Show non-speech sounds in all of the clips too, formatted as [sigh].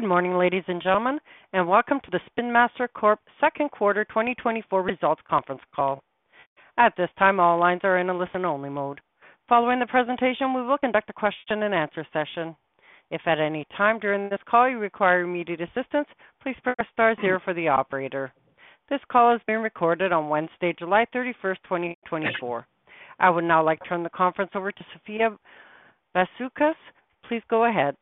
Good morning, ladies and gentlemen, and welcome to the Spin Master Corp Q2 2024 results conference call. At this time, all lines are in a listen-only mode. Following the presentation, we will conduct a question-and-answer session. If at any time during this call you require immediate assistance, please press star zero for the operator. This call is being recorded on Wednesday, July 31st, 2024. I would now like to turn the conference over to Sophia Bisoukis. Please go ahead.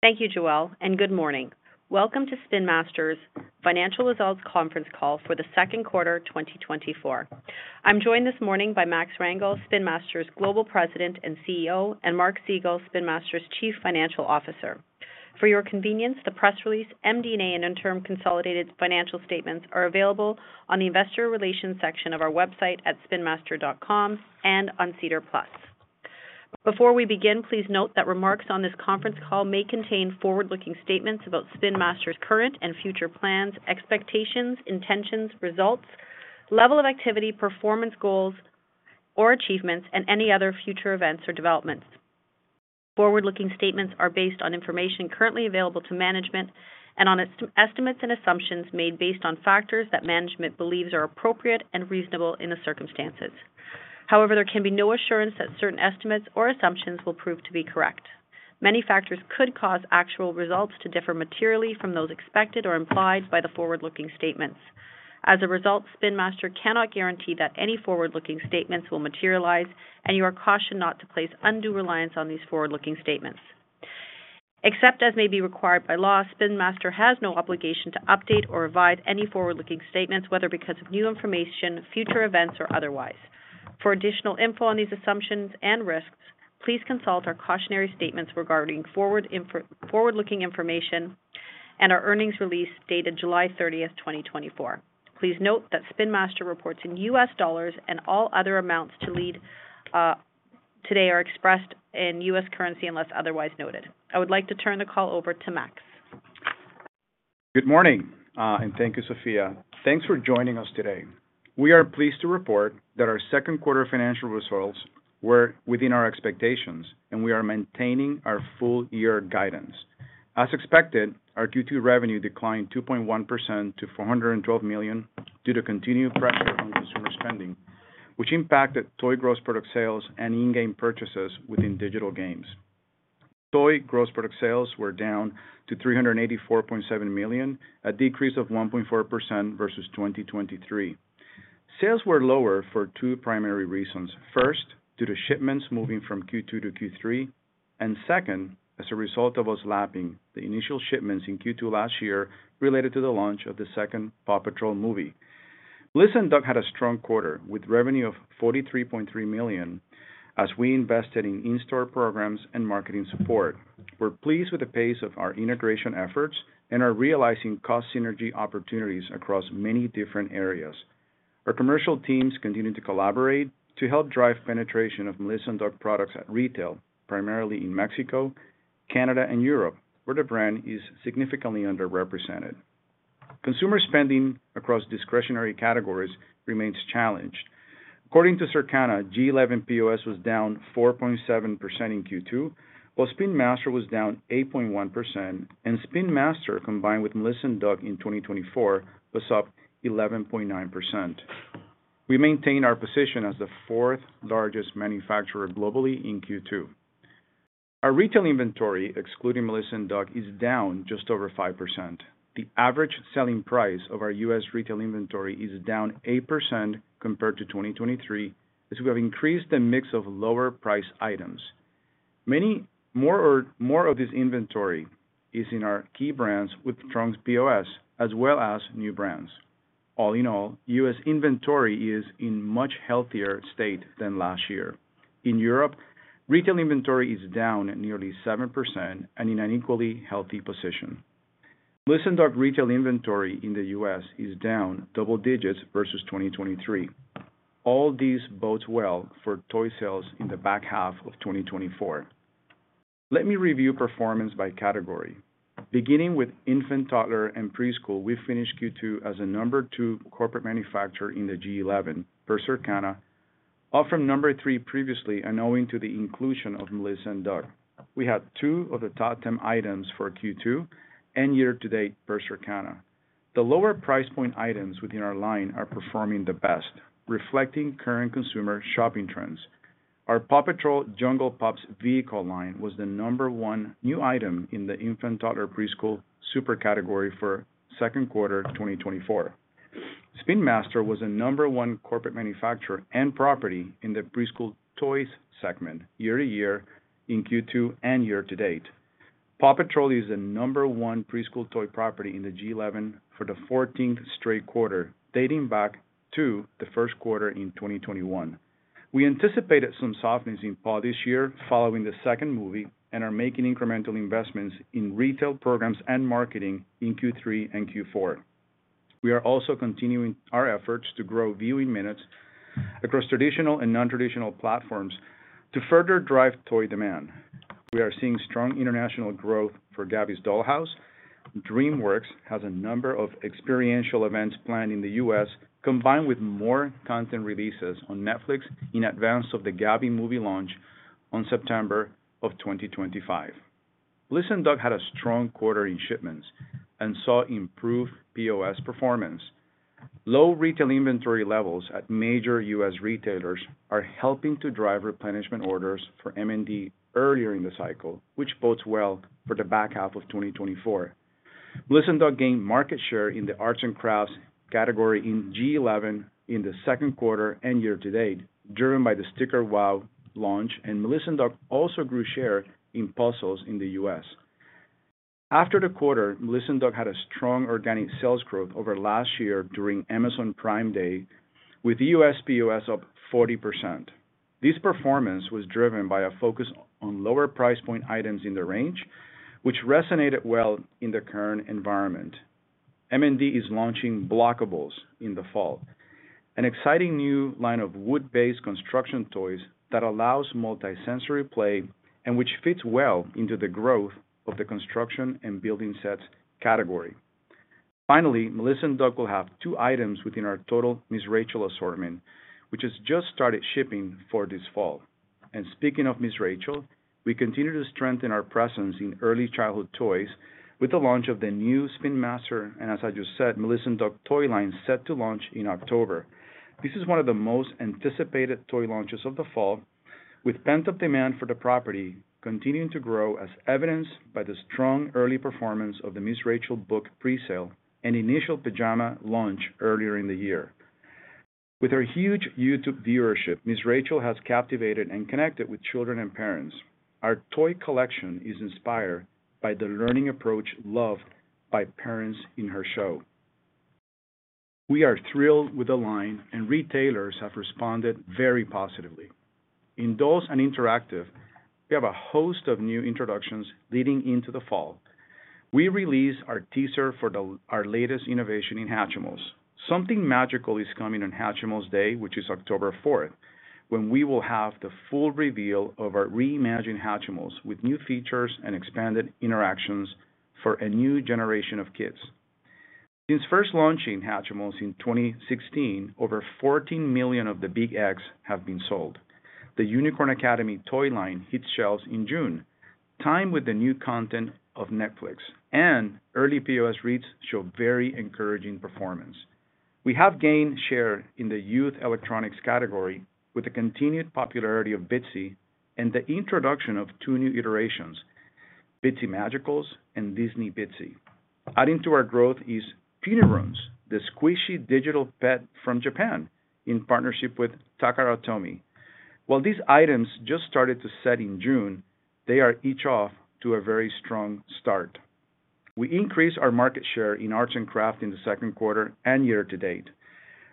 Thank you, Joelle, and good morning. Welcome to Spin Master's financial results conference call for the Q2 2024. I'm joined this morning by Max Rangel, Spin Master's Global President and CEO, and Mark Segal, Spin Master's Chief Financial Officer. For your convenience, the press release, MD&A, and interim consolidated financial statements are available on the investor relations section of our website at spinmaster.com and on SEDAR+. Before we begin, please note that remarks on this conference call may contain forward-looking statements about Spin Master's current and future plans, expectations, intentions, results, level of activity, performance goals, or achievements, and any other future events or developments. Forward-looking statements are based on information currently available to management and on estimates and assumptions made based on factors that management believes are appropriate and reasonable in the circumstances. However, there can be no assurance that certain estimates or assumptions will prove to be correct. Many factors could cause actual results to differ materially from those expected or implied by the forward-looking statements. As a result, Spin Master cannot guarantee that any forward-looking statements will materialize, and you are cautioned not to place undue reliance on these forward-looking statements. Except as may be required by law, Spin Master has no obligation to update or revise any forward-looking statements, whether because of new information, future events, or otherwise. For additional info on these assumptions and risks, please consult our cautionary statements regarding forward-looking information and our earnings release dated July 30th, 2024. Please note that Spin Master reports in U.S. dollars, and all other amounts today are expressed in U.S. currency unless otherwise noted. I would like to turn the call over to Max. Good morning, and thank you, Sophia. Thanks for joining us today. We are pleased to report that our Q2 financial results were within our expectations, and we are maintaining our full-year guidance. As expected, our Q2 revenue declined 2.1% to $412 million due to continued pressure on consumer spending, which impacted toy gross product sales and in-game purchases within digital games. Toy gross product sales were down to $384.7 million, a decrease of 1.4% versus 2023. Sales were lower for two primary reasons: first, due to shipments moving from Q2 to Q3, and second, as a result of us lapping the initial shipments in Q2 last year related to the launch of the second Paw Patrol movie. Melissa & Doug had a strong quarter with revenue of $43.3 million as we invested in in-store programs and marketing support. We're pleased with the pace of our integration efforts and are realizing cost synergy opportunities across many different areas. Our commercial teams continue to collaborate to help drive penetration of Melissa & Doug products at retail, primarily in Mexico, Canada, and Europe, where the brand is significantly underrepresented. Consumer spending across discretionary categories remains challenged. According to Circana, G11 POS was down 4.7% in Q2, while Spin Master was down 8.1%, and Spin Master combined with Melissa & Doug in 2024 was up 11.9%. We maintain our position as the fourth largest manufacturer globally in Q2. Our retail inventory, excluding Melissa & Doug, is down just over 5%. The average selling price of our US retail inventory is down 8% compared to 2023, as we have increased the mix of lower-priced items. More of this inventory is in our key brands with strong POS, as well as new brands. All in all, US inventory is in a much healthier state than last year. In Europe, retail inventory is down nearly 7% and in an equally healthy position. Melissa & Doug retail inventory in the US is down double digits versus 2023. All these bodes well for toy sales in the back half of 2024. Let me review performance by category. Beginning with infant toddler and preschool, we finished Q2 as the number two corporate manufacturer in the G11, per Circana, up from number three previously and owing to the inclusion of Melissa & Doug. We had two of the top 10 items for Q2 and year-to-date per Circana. The lower price point items within our line are performing the best, reflecting current consumer shopping trends. Our Paw Patrol Jungle Pups vehicle line was the number one new item in the infant toddler preschool super category for Q2 2024. Spin Master was the number one corporate manufacturer and property in the preschool toys segment year-to-year in Q2 and year-to-date. Paw Patrol is the number one preschool toy property in the G11 for the 14th straight quarter, dating back to the Q1 in 2021. We anticipated some softness in Paw this year following the second movie and are making incremental investments in retail programs and marketing in Q3 and Q4. We are also continuing our efforts to grow viewing minutes across traditional and non-traditional platforms to further drive toy demand. We are seeing strong international growth for Gabby's Dollhouse. DreamWorks has a number of experiential events planned in the US, combined with more content releases on Netflix in advance of the Gabby movie launch on September of 2025. Melissa & Doug had a strong quarter in shipments and saw improved POS performance. Low retail inventory levels at major U.S. retailers are helping to drive replenishment orders for M&D earlier in the cycle, which bodes well for the back half of 2024. Melissa & Doug gained market share in the arts and crafts category in G11 in the Q2 and year-to-date, driven by the Sticker WOW! launch, and Melissa & Doug also grew share in puzzles in the U.S. After the quarter, Melissa & Doug had a strong organic sales growth over last year during Amazon Prime Day, with U.S. POS up 40%. This performance was driven by a focus on lower price point items in the range, which resonated well in the current environment. M&D is launching Blockables in the fall, an exciting new line of wood-based construction toys that allows multi-sensory play and which fits well into the growth of the construction and building sets category. Finally, Melissa & Doug will have two items within our total Ms. Rachel assortment, which has just started shipping for this fall. Speaking of Ms. Rachel, we continue to strengthen our presence in early childhood toys with the launch of the new Spin Master and, as I just said, Melissa & Doug toy line set to launch in October. This is one of the most anticipated toy launches of the fall, with pent-up demand for the property continuing to grow as evidenced by the strong early performance of the Ms. Rachel book presale and initial pajama launch earlier in the year. With her huge YouTube viewership, Ms. Rachel has captivated and connected with children and parents. Our toy collection is inspired by the learning approach loved by parents in her show. We are thrilled with the line, and retailers have responded very positively. In Dolls and Interactive, we have a host of new introductions leading into the fall. We released our teaser for our latest innovation in Hatchimals. Something magical is coming on Hatchimals Day, which is October 4th, when we will have the full reveal of our reimagined Hatchimals with new features and expanded interactions for a new generation of kids. Since first launching Hatchimals in 2016, over 14 million of the Big X have been sold. The Unicorn Academy toy line hit shelves in June, timed with the new content of Netflix, and early POS reads show very encouraging performance. We have gained share in the youth electronics category with the continued popularity of Bitzee and the introduction of two new iterations, Bitzee Magicals and Bitzee Disney. Adding to our growth is Punirunes, the squishy digital pet from Japan in partnership with Takara Tomy. While these items just started to set in June, they are each off to a very strong start. We increased our market share in arts and crafts in the Q2 and year-to-date.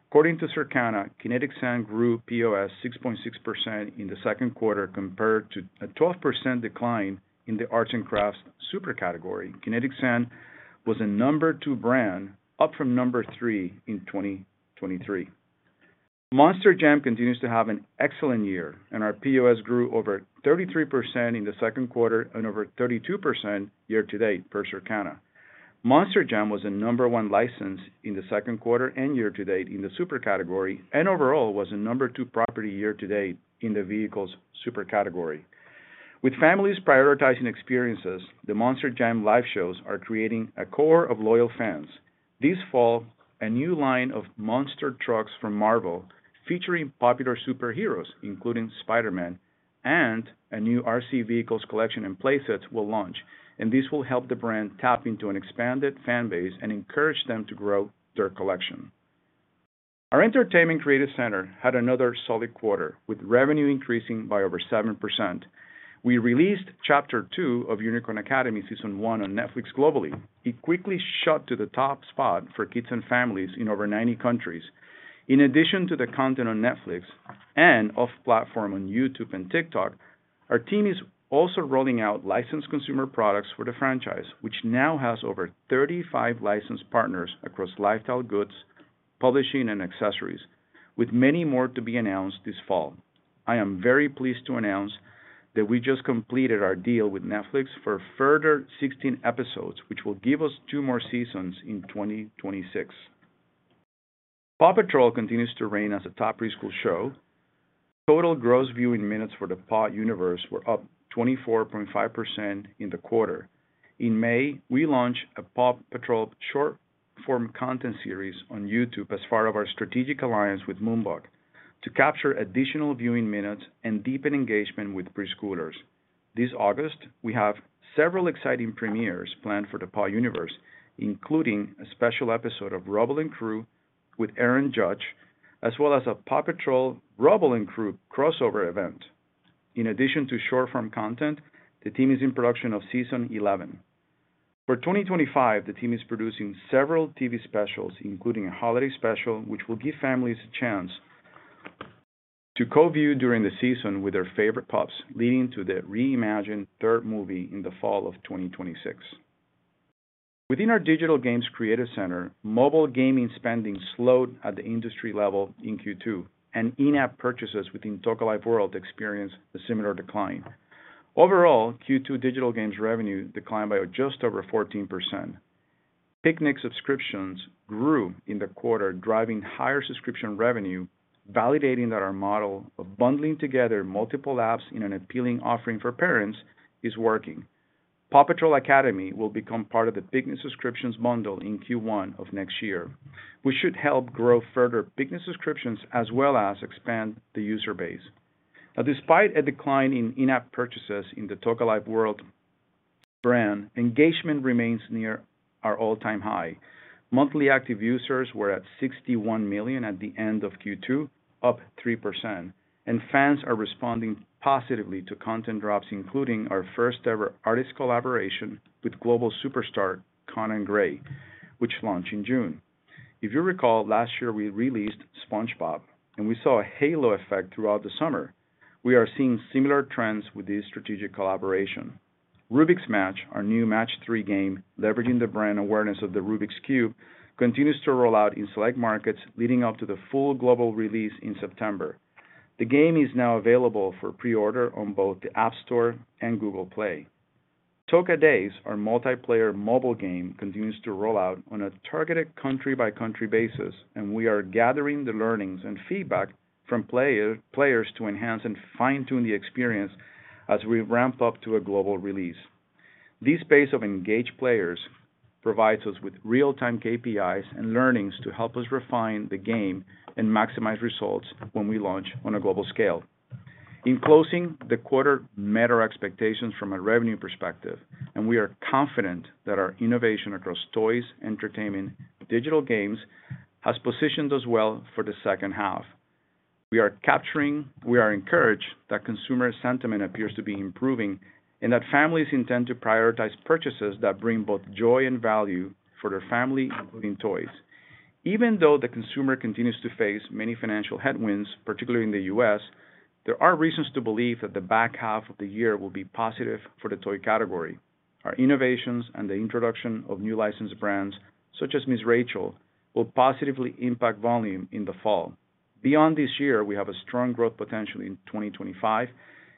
According to Circana, Kinetic Sand grew POS 6.6% in the Q2 compared to a 12% decline in the arts and crafts super category. Kinetic Sand was a number two brand, up from number three in 2023. Monster Jam continues to have an excellent year, and our POS grew over 33% in the Q2 and over 32% year-to-date per Circana. Monster Jam was a number one license in the Q2 and year-to-date in the super category and overall was a number two property year-to-date in the vehicles super category. With families prioritizing experiences, the Monster Jam live shows are creating a core of loyal fans. This fall, a new line of monster trucks from Marvel featuring popular superheroes, including Spider-Man, and a new RC vehicles collection and playsets will launch, and this will help the brand tap into an expanded fan base and encourage them to grow their collection. Our Entertainment Creative Center had another solid quarter with revenue increasing by over 7%. We released Chapter Two of Unicorn Academy Season One on Netflix globally. It quickly shot to the top spot for kids and families in over 90 countries. In addition to the content on Netflix and off-platform on YouTube and TikTok, our team is also rolling out licensed consumer products for the franchise, which now has over 35 licensed partners across lifestyle goods, publishing, and accessories, with many more to be announced this fall. I am very pleased to announce that we just completed our deal with Netflix for further 16 episodes, which will give us two more seasons in 2026. Paw Patrol continues to reign as a top preschool show. Total gross viewing minutes for the Paw Universe were up 24.5% in the quarter. In May, we launched a Paw Patrol short-form content series on YouTube as part of our strategic alliance with Moonbug to capture additional viewing minutes and deepen engagement with preschoolers. This August, we have several exciting premieres planned for the Paw Universe, including a special episode of Rubble & Crew with Aaron Judge, as well as a Paw Patrol Rubble & Crew crossover event. In addition to short-form content, the team is in production of Season 11. For 2025, the team is producing several TV specials, including a holiday special, which will give families a chance to co-view during the season with their favorite pups, leading to the reimagined third movie in the fall of 2026. Within our Digital Games Creative Center, mobile gaming spending slowed at the industry level in Q2, and in-app purchases within Toca Life World experienced a similar decline. Overall, Q2 digital games revenue declined by just over 14%. Piknik subscriptions grew in the quarter, driving higher subscription revenue, validating that our model of bundling together multiple apps in an appealing offering for parents is working. Paw Patrol Academy will become part of the Piknik Subscriptions bundle in Q1 of next year, which should help grow further Piknik subscriptions as well as expand the user base. Now, despite a decline in in-app purchases in the Toca Life World brand, engagement remains near our all-time high. Monthly active users were at 61 million at the end of Q2, up 3%, and fans are responding positively to content drops, including our first-ever artist collaboration with global superstar Conan Gray, which launched in June. If you recall, last year we released SpongeBob, and we saw a halo effect throughout the summer. We are seeing similar trends with this strategic collaboration. Rubik's Match, our new match-three game, leveraging the brand awareness of the Rubik's Cube, continues to roll out in select markets leading up to the full global release in September. The game is now available for pre-order on both the App Store and Google Play. Toca Days, our multiplayer mobile game, continues to roll out on a targeted country-by-country basis, and we are gathering the learnings and feedback from players to enhance and fine-tune the experience as we ramp up to a global release. This base of engaged players provides us with real-time KPIs and learnings to help us refine the game and maximize results when we launch on a global scale. In closing, the quarter met our expectations from a revenue perspective, and we are confident that our innovation across toys, entertainment, and digital games has positioned us well for the second half. We are capturing. We are encouraged that consumer sentiment appears to be improving and that families intend to prioritize purchases that bring both joy and value for their family, including toys. Even though the consumer continues to face many financial headwinds, particularly in the U.S., there are reasons to believe that the back half of the year will be positive for the toy category. Our innovations and the introduction of new licensed brands such as Ms. Rachel will positively impact volume in the fall. Beyond this year, we have a strong growth potential in 2025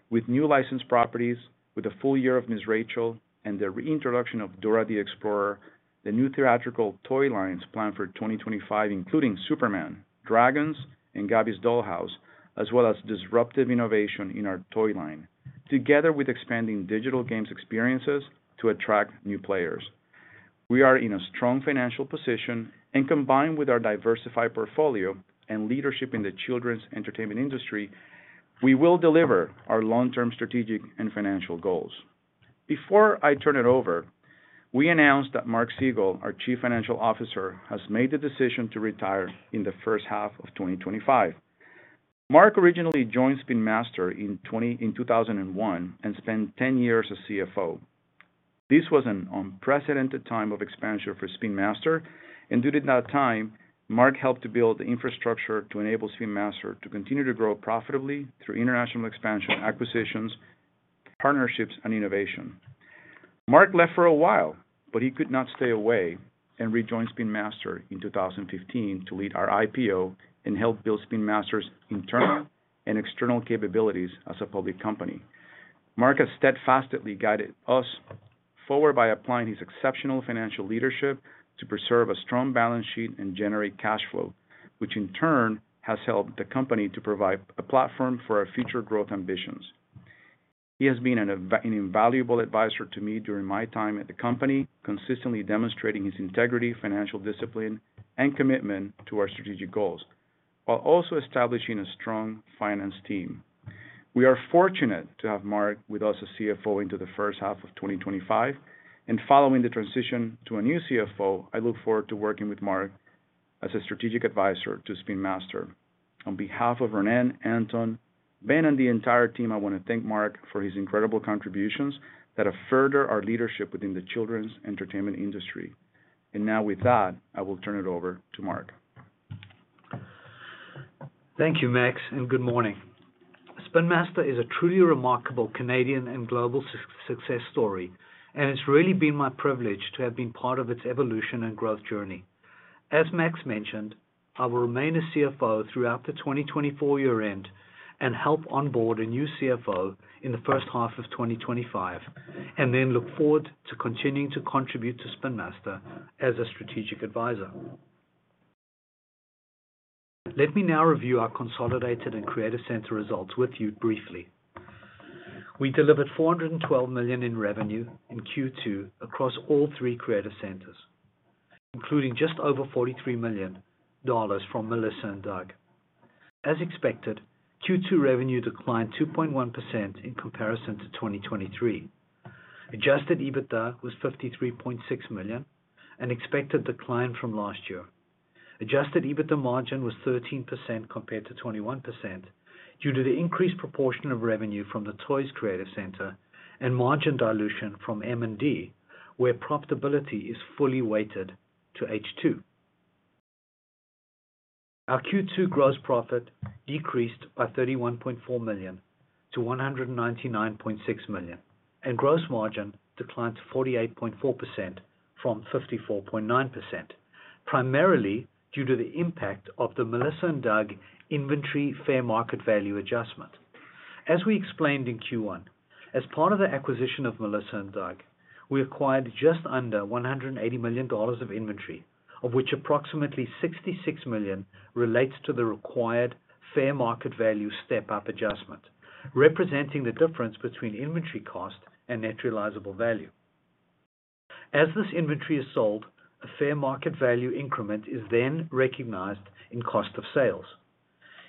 with new licensed properties, with a full year of Ms. Rachel and the reintroduction of Dora the Explorer, the new theatrical toy lines planned for 2025, including Superman, Dragons, and Gabby’s Dollhouse, as well as disruptive innovation in our toy line, together with expanding digital games experiences to attract new players. We are in a strong financial position, and combined with our diversified portfolio and leadership in the children's entertainment industry, we will deliver our long-term strategic and financial goals. Before I turn it over, we announced that Mark Segal, our Chief Financial Officer, has made the decision to retire in the first half of 2025. Mark originally joined Spin Master in 2001 and spent 10 years as CFO. This was an unprecedented time of expansion for Spin Master, and during that time, Mark helped to build the infrastructure to enable Spin Master to continue to grow profitably through international expansion, acquisitions, partnerships, and innovation. Mark left for a while, but he could not stay away and rejoined Spin Master in 2015 to lead our IPO and help build Spin Master's internal and external capabilities as a public company. Mark has steadfastly guided us forward by applying his exceptional financial leadership to preserve a strong balance sheet and generate cash flow, which in turn has helped the company to provide a platform for our future growth ambitions. He has been an invaluable advisor to me during my time at the company, consistently demonstrating his integrity, financial discipline, and commitment to our strategic goals, while also establishing a strong finance team. We are fortunate to have Mark with us as CFO into the first half of 2025, and following the transition to a new CFO, I look forward to working with Mark as a strategic advisor to Spin Master. On behalf of Ronnen, Anton, Ben, and the entire team, I want to thank Mark for his incredible contributions that have furthered our leadership within the children's entertainment industry. And now with that, I will turn it over to Mark. Thank you, Max, and good morning. Spin Master is a truly remarkable Canadian and global success story, and it's really been my privilege to have been part of its evolution and growth journey. As Max mentioned, I will remain a CFO throughout the 2024 year-end and help onboard a new CFO in the first half of 2025, and then look forward to continuing to contribute to Spin Master as a strategic advisor. Let me now review our consolidated and creative center results with you briefly. We delivered $412 million in revenue in Q2 across all three creative centers, including just over $43 million from Melissa & Doug. As expected, Q2 revenue declined 2.1% in comparison to 2023. Adjusted EBITDA was $53.6 million, an expected decline from last year. Adjusted EBITDA margin was 13% compared to 21% due to the increased proportion of revenue from the toys creative center and margin dilution from M&D, where profitability is fully weighted to H2. Our Q2 gross profit decreased by $31.4 million to $199.6 million, and gross margin declined to 48.4% from 54.9%, primarily due to the impact of the Melissa & Doug inventory fair market value adjustment. As we explained in Q1, as part of the acquisition of Melissa & Doug, we acquired just under $180 million of inventory, of which approximately $66 million relates to the required fair market value step-up adjustment, representing the difference between inventory cost and realizable value. As this inventory is sold, a fair market value increment is then recognized in cost of sales.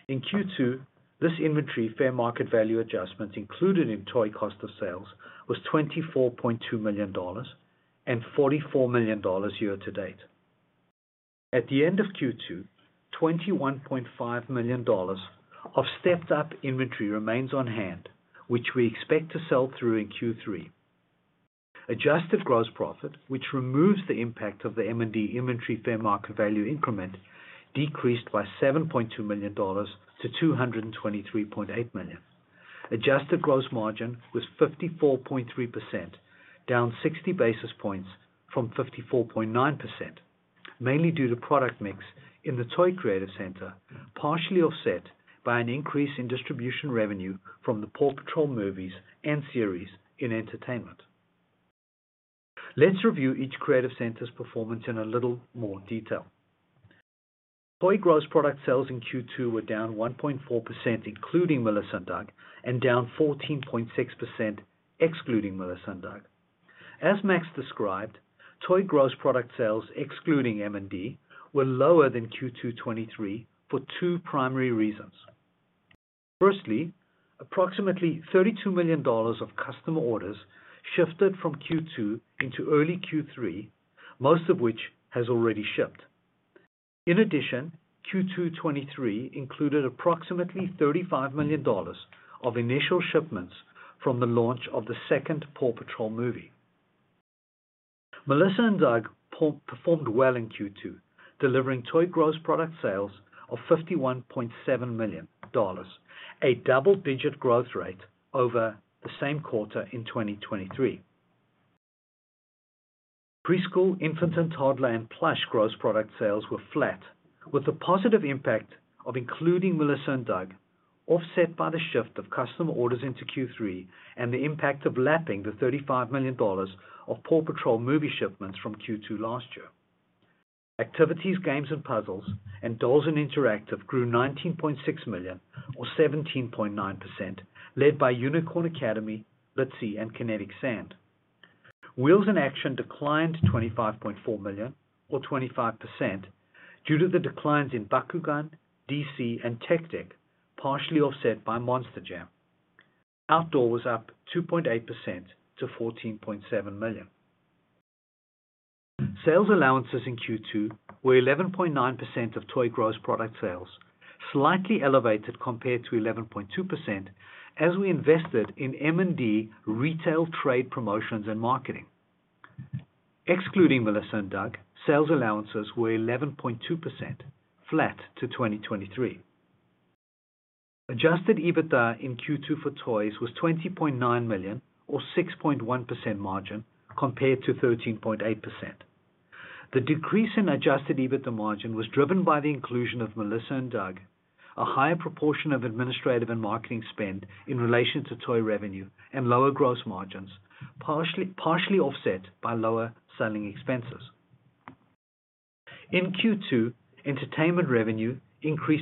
In Q2, this inventory fair market value adjustment included in toy cost of sales was $24.2 million and $44 million year-to-date. At the end of Q2, $21.5 million of stepped-up inventory remains on hand, which we expect to sell through in Q3. Adjusted gross profit, which removes the impact of the M&D inventory fair market value increment, decreased by $7.2 million to $223.8 million. Adjusted gross margin was 54.3%, down 60 basis points from 54.9%, mainly due to product mix in the toy creative center, partially offset by an increase in distribution revenue from the Paw Patrol movies and series in entertainment. Let's review each creative center's performance in a little more detail. Toy gross product sales in Q2 were down 1.4%, including Melissa & Doug, and down 14.6%, excluding Melissa & Doug. As Max described, toy gross product sales, excluding M&D, were lower than Q2 2023 for two primary reasons. Firstly, approximately $32 million of customer orders shifted from Q2 into early Q3, most of which has already shipped. In addition, Q2 2023 included approximately $35 million of initial shipments from the launch of the second Paw Patrol movie. Melissa & Doug performed well in Q2, delivering toy gross product sales of $51.7 million, a double-digit growth rate over the same quarter in 2023. Preschool, infant, and toddler and plush gross product sales were flat, with the positive impact of including Melissa & Doug offset by the shift of customer orders into Q3 and the impact of lapping the $35 million of Paw Patrol movie shipments from Q2 last year. Activities, games, and puzzles, and Dolls and Interactive grew $19.6 million, or 17.9%, led by Unicorn Academy, Bitzee, and Kinetic Sand. Wheels in Action declined $25.4 million, or 25%, due to the declines in Bakugan, DC, and Tech Deck, partially offset by Monster Jam. Outdoor was up 2.8% to $14.7 million. Sales allowances in Q2 were 11.9% of toy gross product sales, slightly elevated compared to 11.2% as we invested in M&D retail trade promotions and marketing. Excluding Melissa & Doug, sales allowances were 11.2%, flat to 2023. Adjusted EBITDA in Q2 for toys was $20.9 million, or 6.1% margin, compared to 13.8%. The decrease in adjusted EBITDA margin was driven by the inclusion of Melissa & Doug, a higher proportion of administrative and marketing spend in relation to toy revenue, and lower gross margins, partially offset by lower selling expenses. In Q2, entertainment revenue increased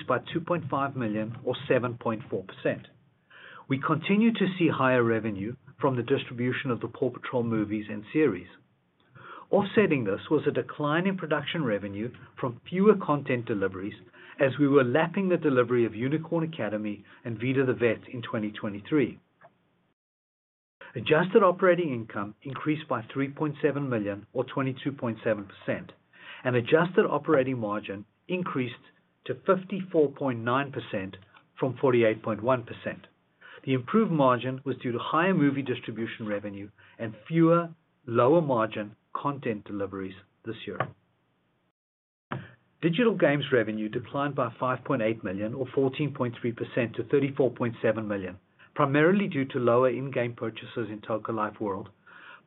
by $2.5 million, or 7.4%. We continue to see higher revenue from the distribution of the Paw Patrol movies and series. Offsetting this was a decline in production revenue from fewer content deliveries as we were lapping the delivery of Unicorn Academy and Vida the Vet in 2023. Adjusted operating income increased by $3.7 million, or 22.7%, and adjusted operating margin increased to 54.9% from 48.1%. The improved margin was due to higher movie distribution revenue and fewer lower-margin content deliveries this year. Digital games revenue declined by $5.8 million, or 14.3%, to $34.7 million, primarily due to lower in-game purchases in Toca Life World,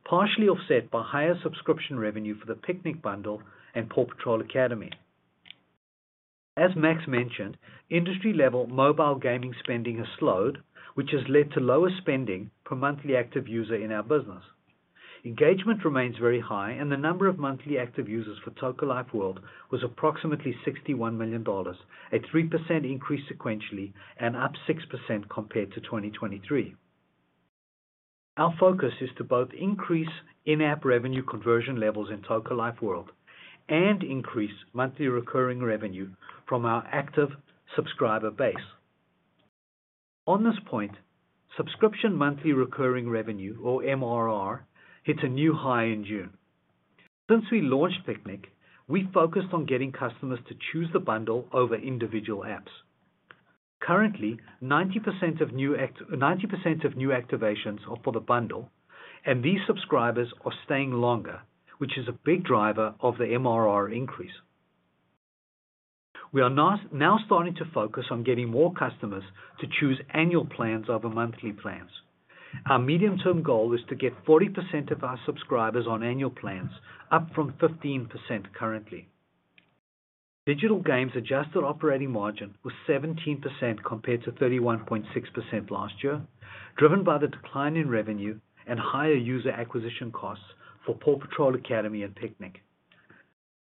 partially offset by higher subscription revenue for the Piknik bundle and Paw Patrol Academy. As Max mentioned, industry-level mobile gaming spending has slowed, which has led to lower spending per monthly active user in our business. Engagement remains very high, and the number of monthly active users for Toca Life World was approximately $61 million, a 3% increase sequentially and up 6% compared to 2023. Our focus is to both increase in-app revenue conversion levels in Toca Life World and increase monthly recurring revenue from our active subscriber base. On this point, subscription monthly recurring revenue, or MRR, hit a new high in June. Since we launched Piknik, we focused on getting customers to choose the bundle over individual apps. Currently, 90% of new activations are for the bundle, and these subscribers are staying longer, which is a big driver of the MRR increase. We are now starting to focus on getting more customers to choose annual plans over monthly plans. Our medium-term goal is to get 40% of our subscribers on annual plans, up from 15% currently. Digital games adjusted operating margin was 17% compared to 31.6% last year, driven by the decline in revenue and higher user acquisition costs for Paw Patrol Academy and Piknik.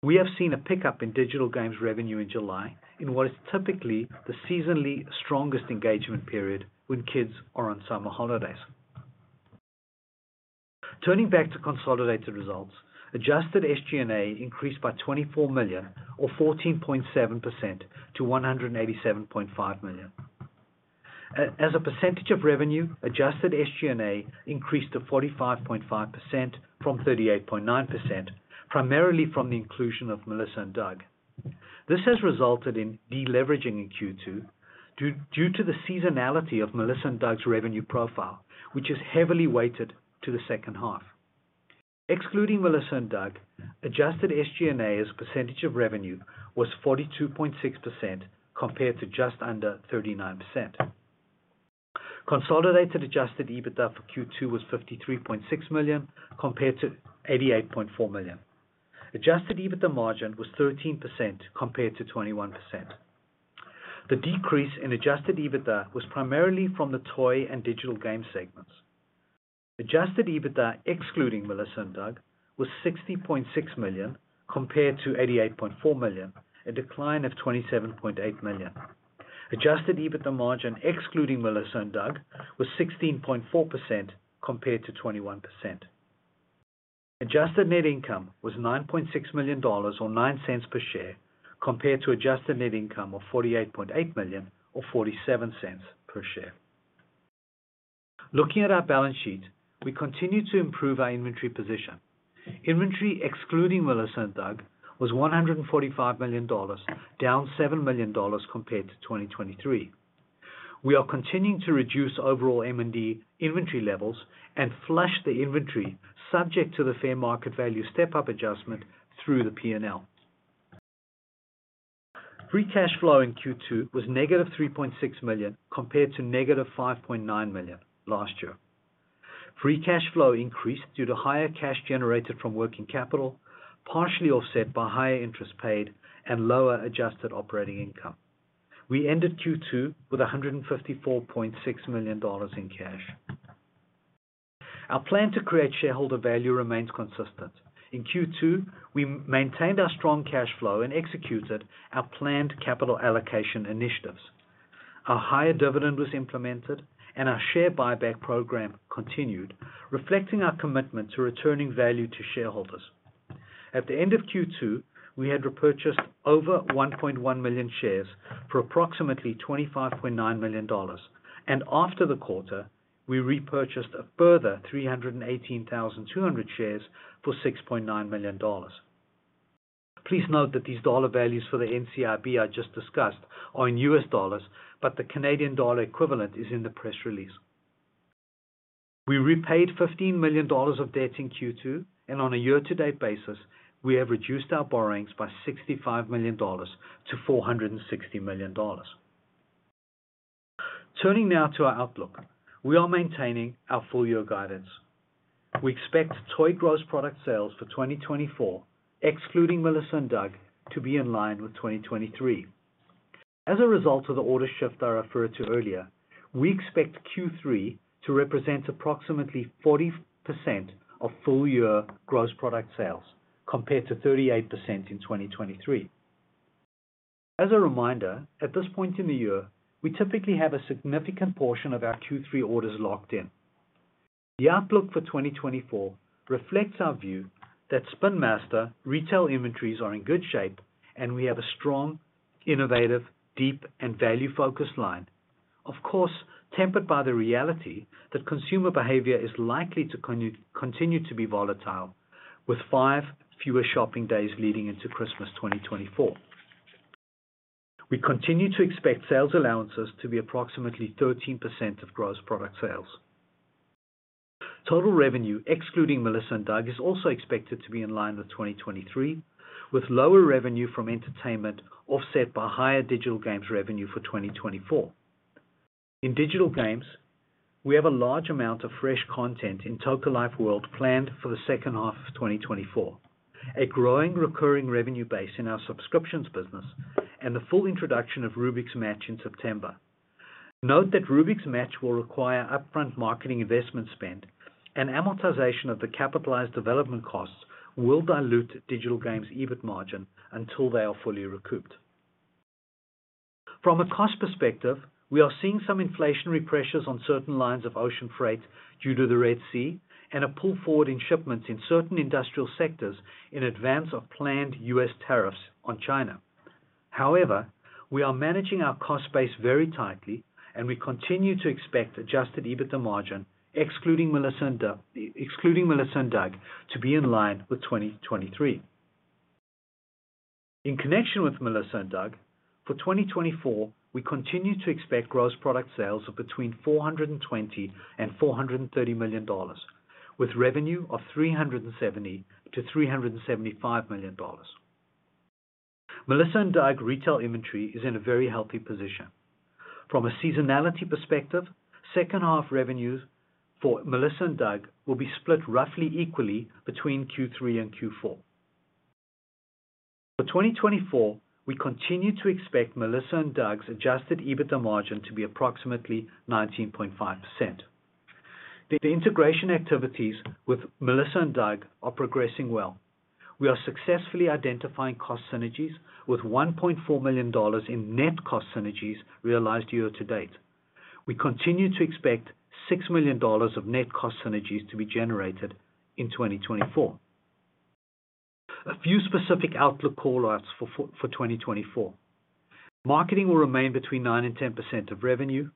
We have seen a pickup in digital games revenue in July in what is typically the seasonally strongest engagement period when kids are on summer holidays. Turning back to consolidated results, adjusted SG&A increased by $24 million, or 14.7%, to $187.5 million. As a percentage of revenue, adjusted SG&A increased to 45.5% from 38.9%, primarily from the inclusion of Melissa & Doug. This has resulted in deleveraging in Q2 due to the seasonality of Melissa & Doug's revenue profile, which is heavily weighted to the second half. Excluding Melissa & Doug, adjusted SG&A as a percentage of revenue was 42.6% compared to just under 39%. Consolidated adjusted EBITDA for Q2 was $53.6 million compared to $88.4 million. Adjusted EBITDA margin was 13% compared to 21%. The decrease in adjusted EBITDA was primarily from the toy and digital game segments. Adjusted EBITDA, excluding Melissa & Doug, was $60.6 million compared to $88.4 million, a decline of $27.8 million. Adjusted EBITDA margin, excluding Melissa & Doug, was 16.4% compared to 21%. Adjusted net income was $9.6 million, or $0.09 per share, compared to adjusted net income of $48.8 million, or $0.47 per share. Looking at our balance sheet, we continue to improve our inventory position. Inventory, excluding Melissa & Doug, was $145 million, down $7 million compared to 2023. We are continuing to reduce overall M&D inventory levels and flush the inventory subject to the fair market value step-up adjustment through the P&L. Free cash flow in Q2 was -$3.6 million compared to -$5.9 million last year. Free cash flow increased due to higher cash generated from working capital, partially offset by higher interest paid and lower adjusted operating income. We ended Q2 with $154.6 million in cash. Our plan to create shareholder value remains consistent. In Q2, we maintained our strong cash flow and executed our planned capital allocation initiatives. Our higher dividend was implemented, and our share buyback program continued, reflecting our commitment to returning value to shareholders. At the end of Q2, we had repurchased over 1.1 million shares for approximately $25.9 million, and after the quarter, we repurchased a further 318,200 shares for $6.9 million. Please note that these dollar values for the NCIB I just discussed are in US dollars, but the Canadian dollar equivalent is in the press release. We repaid $15 million of debts in Q2, and on a year-to-date basis, we have reduced our borrowings by $65 million to $460 million. Turning now to our outlook, we are maintaining our full-year guidance. We expect toy gross product sales for 2024, excluding Melissa & Doug, to be in line with 2023. As a result of the order shift I referred to earlier, we expect Q3 to represent approximately 40% of full-year gross product sales compared to 38% in 2023. As a reminder, at this point in the year, we typically have a significant portion of our Q3 orders locked in. The outlook for 2024 reflects our view that Spin Master retail inventories are in good shape, and we have a strong, innovative, deep, and value-focused line, of course, tempered by the reality that consumer behavior is likely to continue to be volatile, with five fewer shopping days leading into Christmas 2024. We continue to expect sales allowances to be approximately 13% of gross product sales. Total revenue, excluding Melissa & Doug, is also expected to be in line with 2023, with lower revenue from entertainment offset by higher digital games revenue for 2024. In digital games, we have a large amount of fresh content in Toca Life World planned for the second half of 2024, a growing recurring revenue base in our subscriptions business, and the full introduction of Rubik's Match in September. Note that Rubik's Match will require upfront marketing investment spend, and amortization of the capitalized development costs will dilute digital games EBIT margin until they are fully recouped. From a cost perspective, we are seeing some inflationary pressures on certain lines of ocean freight due to the Red Sea and a pull forward in shipments in certain industrial sectors in advance of planned US tariffs on China. However, we are managing our cost base very tightly, and we continue to expect adjusted EBITDA margin, excluding Melissa & Doug, to be in line with 2023. In connection with Melissa & Doug, for 2024, we continue to expect gross product sales of between $420 million and $430 million, with revenue of $370 million-$375 million. Melissa & Doug retail inventory is in a very healthy position. From a seasonality perspective, second half revenues for Melissa & Doug will be split roughly equally between Q3 and Q4. For 2024, we continue to expect Melissa & Doug's Adjusted EBITDA margin to be approximately 19.5%. The integration activities with Melissa & Doug are progressing well. We are successfully identifying cost synergies with $1.4 million in net cost synergies realized year-to-date. We continue to expect $6 million of net cost synergies to be generated in 2024. A few specific outlook callouts for 2024: marketing will remain between 9%-10% of revenue,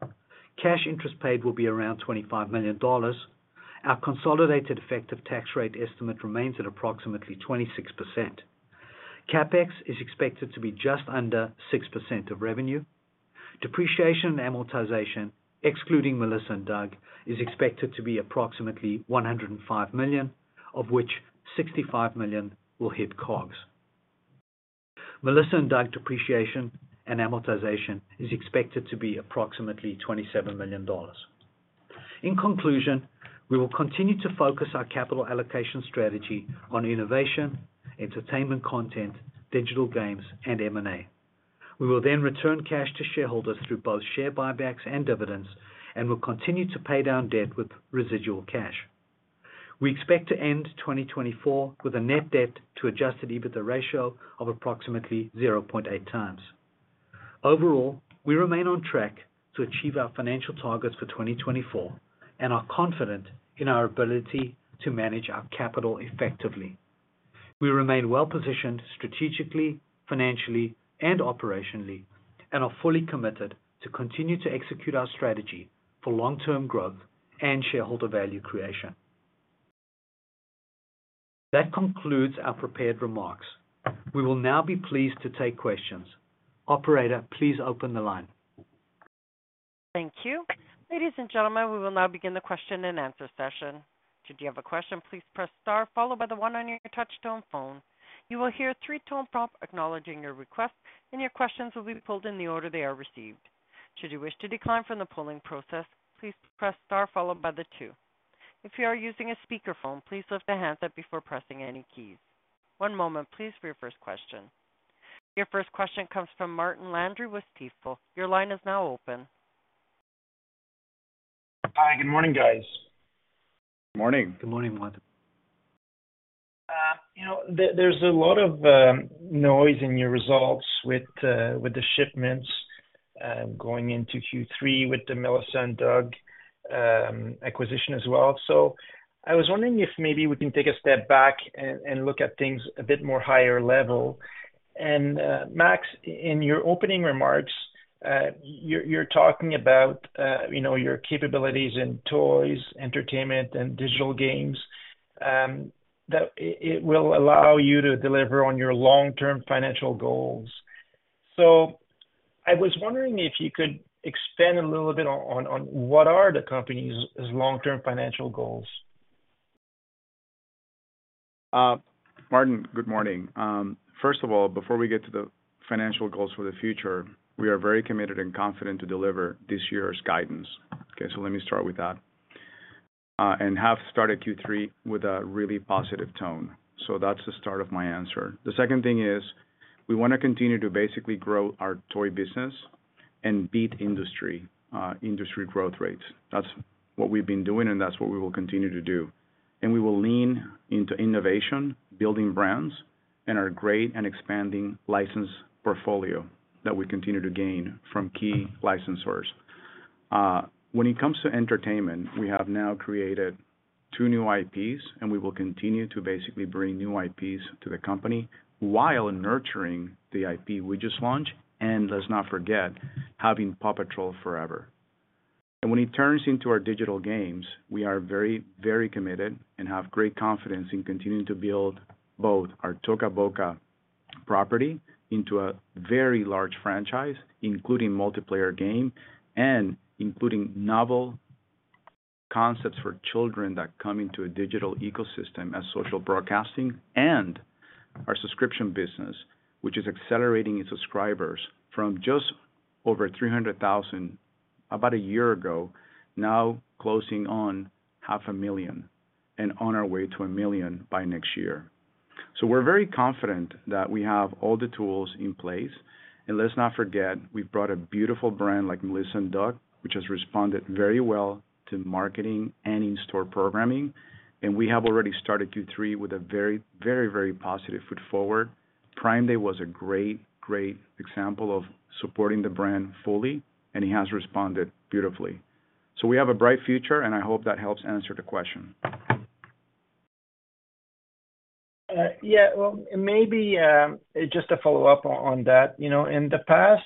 cash interest paid will be around $25 million, our consolidated effective tax rate estimate remains at approximately 26%, CapEx is expected to be just under 6% of revenue, depreciation and amortization, excluding Melissa & Doug, is expected to be approximately $105 million, of which $65 million will hit COGS. Melissa & Doug depreciation and amortization is expected to be approximately $27 million. In conclusion, we will continue to focus our capital allocation strategy on innovation, entertainment content, digital games, and M&A. We will then return cash to shareholders through both share buybacks and dividends, and we'll continue to pay down debt with residual cash. We expect to end 2024 with a net debt to Adjusted EBITDA ratio of approximately 0.8x. Overall, we remain on track to achieve our financial targets for 2024, and are confident in our ability to manage our capital effectively. We remain well-positioned strategically, financially, and operationally, and are fully committed to continue to execute our strategy for long-term growth and shareholder value creation. That concludes our prepared remarks. We will now be pleased to take questions. Operator, please open the line. Thank you. Ladies and gentlemen, we will now begin the question and answer session. Should you have a question, please press star, followed by the one on your touch-tone phone. You will hear a three-tone prompt acknowledging your request, and your questions will be pulled in the order they are received. Should you wish to decline from the polling process, please press star, followed by the two. If you are using a speakerphone, please lift the handset up before pressing any keys. One moment, please, for your first question. Your first question comes from Martin Landry with Stifel. Your line is now open. Hi, good morning, guys. Good morning. Good morning, Martin. There's a lot of noise in your results with the shipments going into Q3 with the Melissa & Doug acquisition as well. So I was wondering if maybe we can take a step back and look at things a bit more higher level. And Max, in your opening remarks, you're talking about your capabilities in toys, entertainment, and digital games that it will allow you to deliver on your long-term financial goals. So I was wondering if you could expand a little bit on what are the company's long-term financial goals. Martin, good morning. First of all, before we get to the financial goals for the future, we are very committed and confident to deliver this year's guidance. Okay, so let me start with that. And have started Q3 with a really positive tone. So that's the start of my answer. The second thing is we want to continue to basically grow our toy business and beat industry growth rates. That's what we've been doing, and that's what we will continue to do. And we will lean into innovation, building brands, and our great and expanding license portfolio that we continue to gain from key licensors. When it comes to entertainment, we have now created two new IPs, and we will continue to basically bring new IPs to the company while nurturing the IP we just launched. And let's not forget having PAW Patrol Forever. And when it turns into our digital games, we are very, very committed and have great confidence in continuing to build both our Toca Boca property into a very large franchise, including multiplayer game and including novel concepts for children that come into a digital ecosystem as social broadcasting, and our subscription business, which is accelerating its subscribers from just over 300,000 about a year ago, now closing on 500,000 and on our way to 1,000,000 by next year. So we're very confident that we have all the tools in place. Let's not forget, we've brought a beautiful brand like Melissa & Doug, which has responded very well to marketing and in-store programming. We have already started Q3 with a very, very, very positive foot forward. Prime Day was a great, great example of supporting the brand fully, and it has responded beautifully. So we have a bright future, and I hope that helps answer the question. Yeah, well, maybe just to follow up on that, in the past,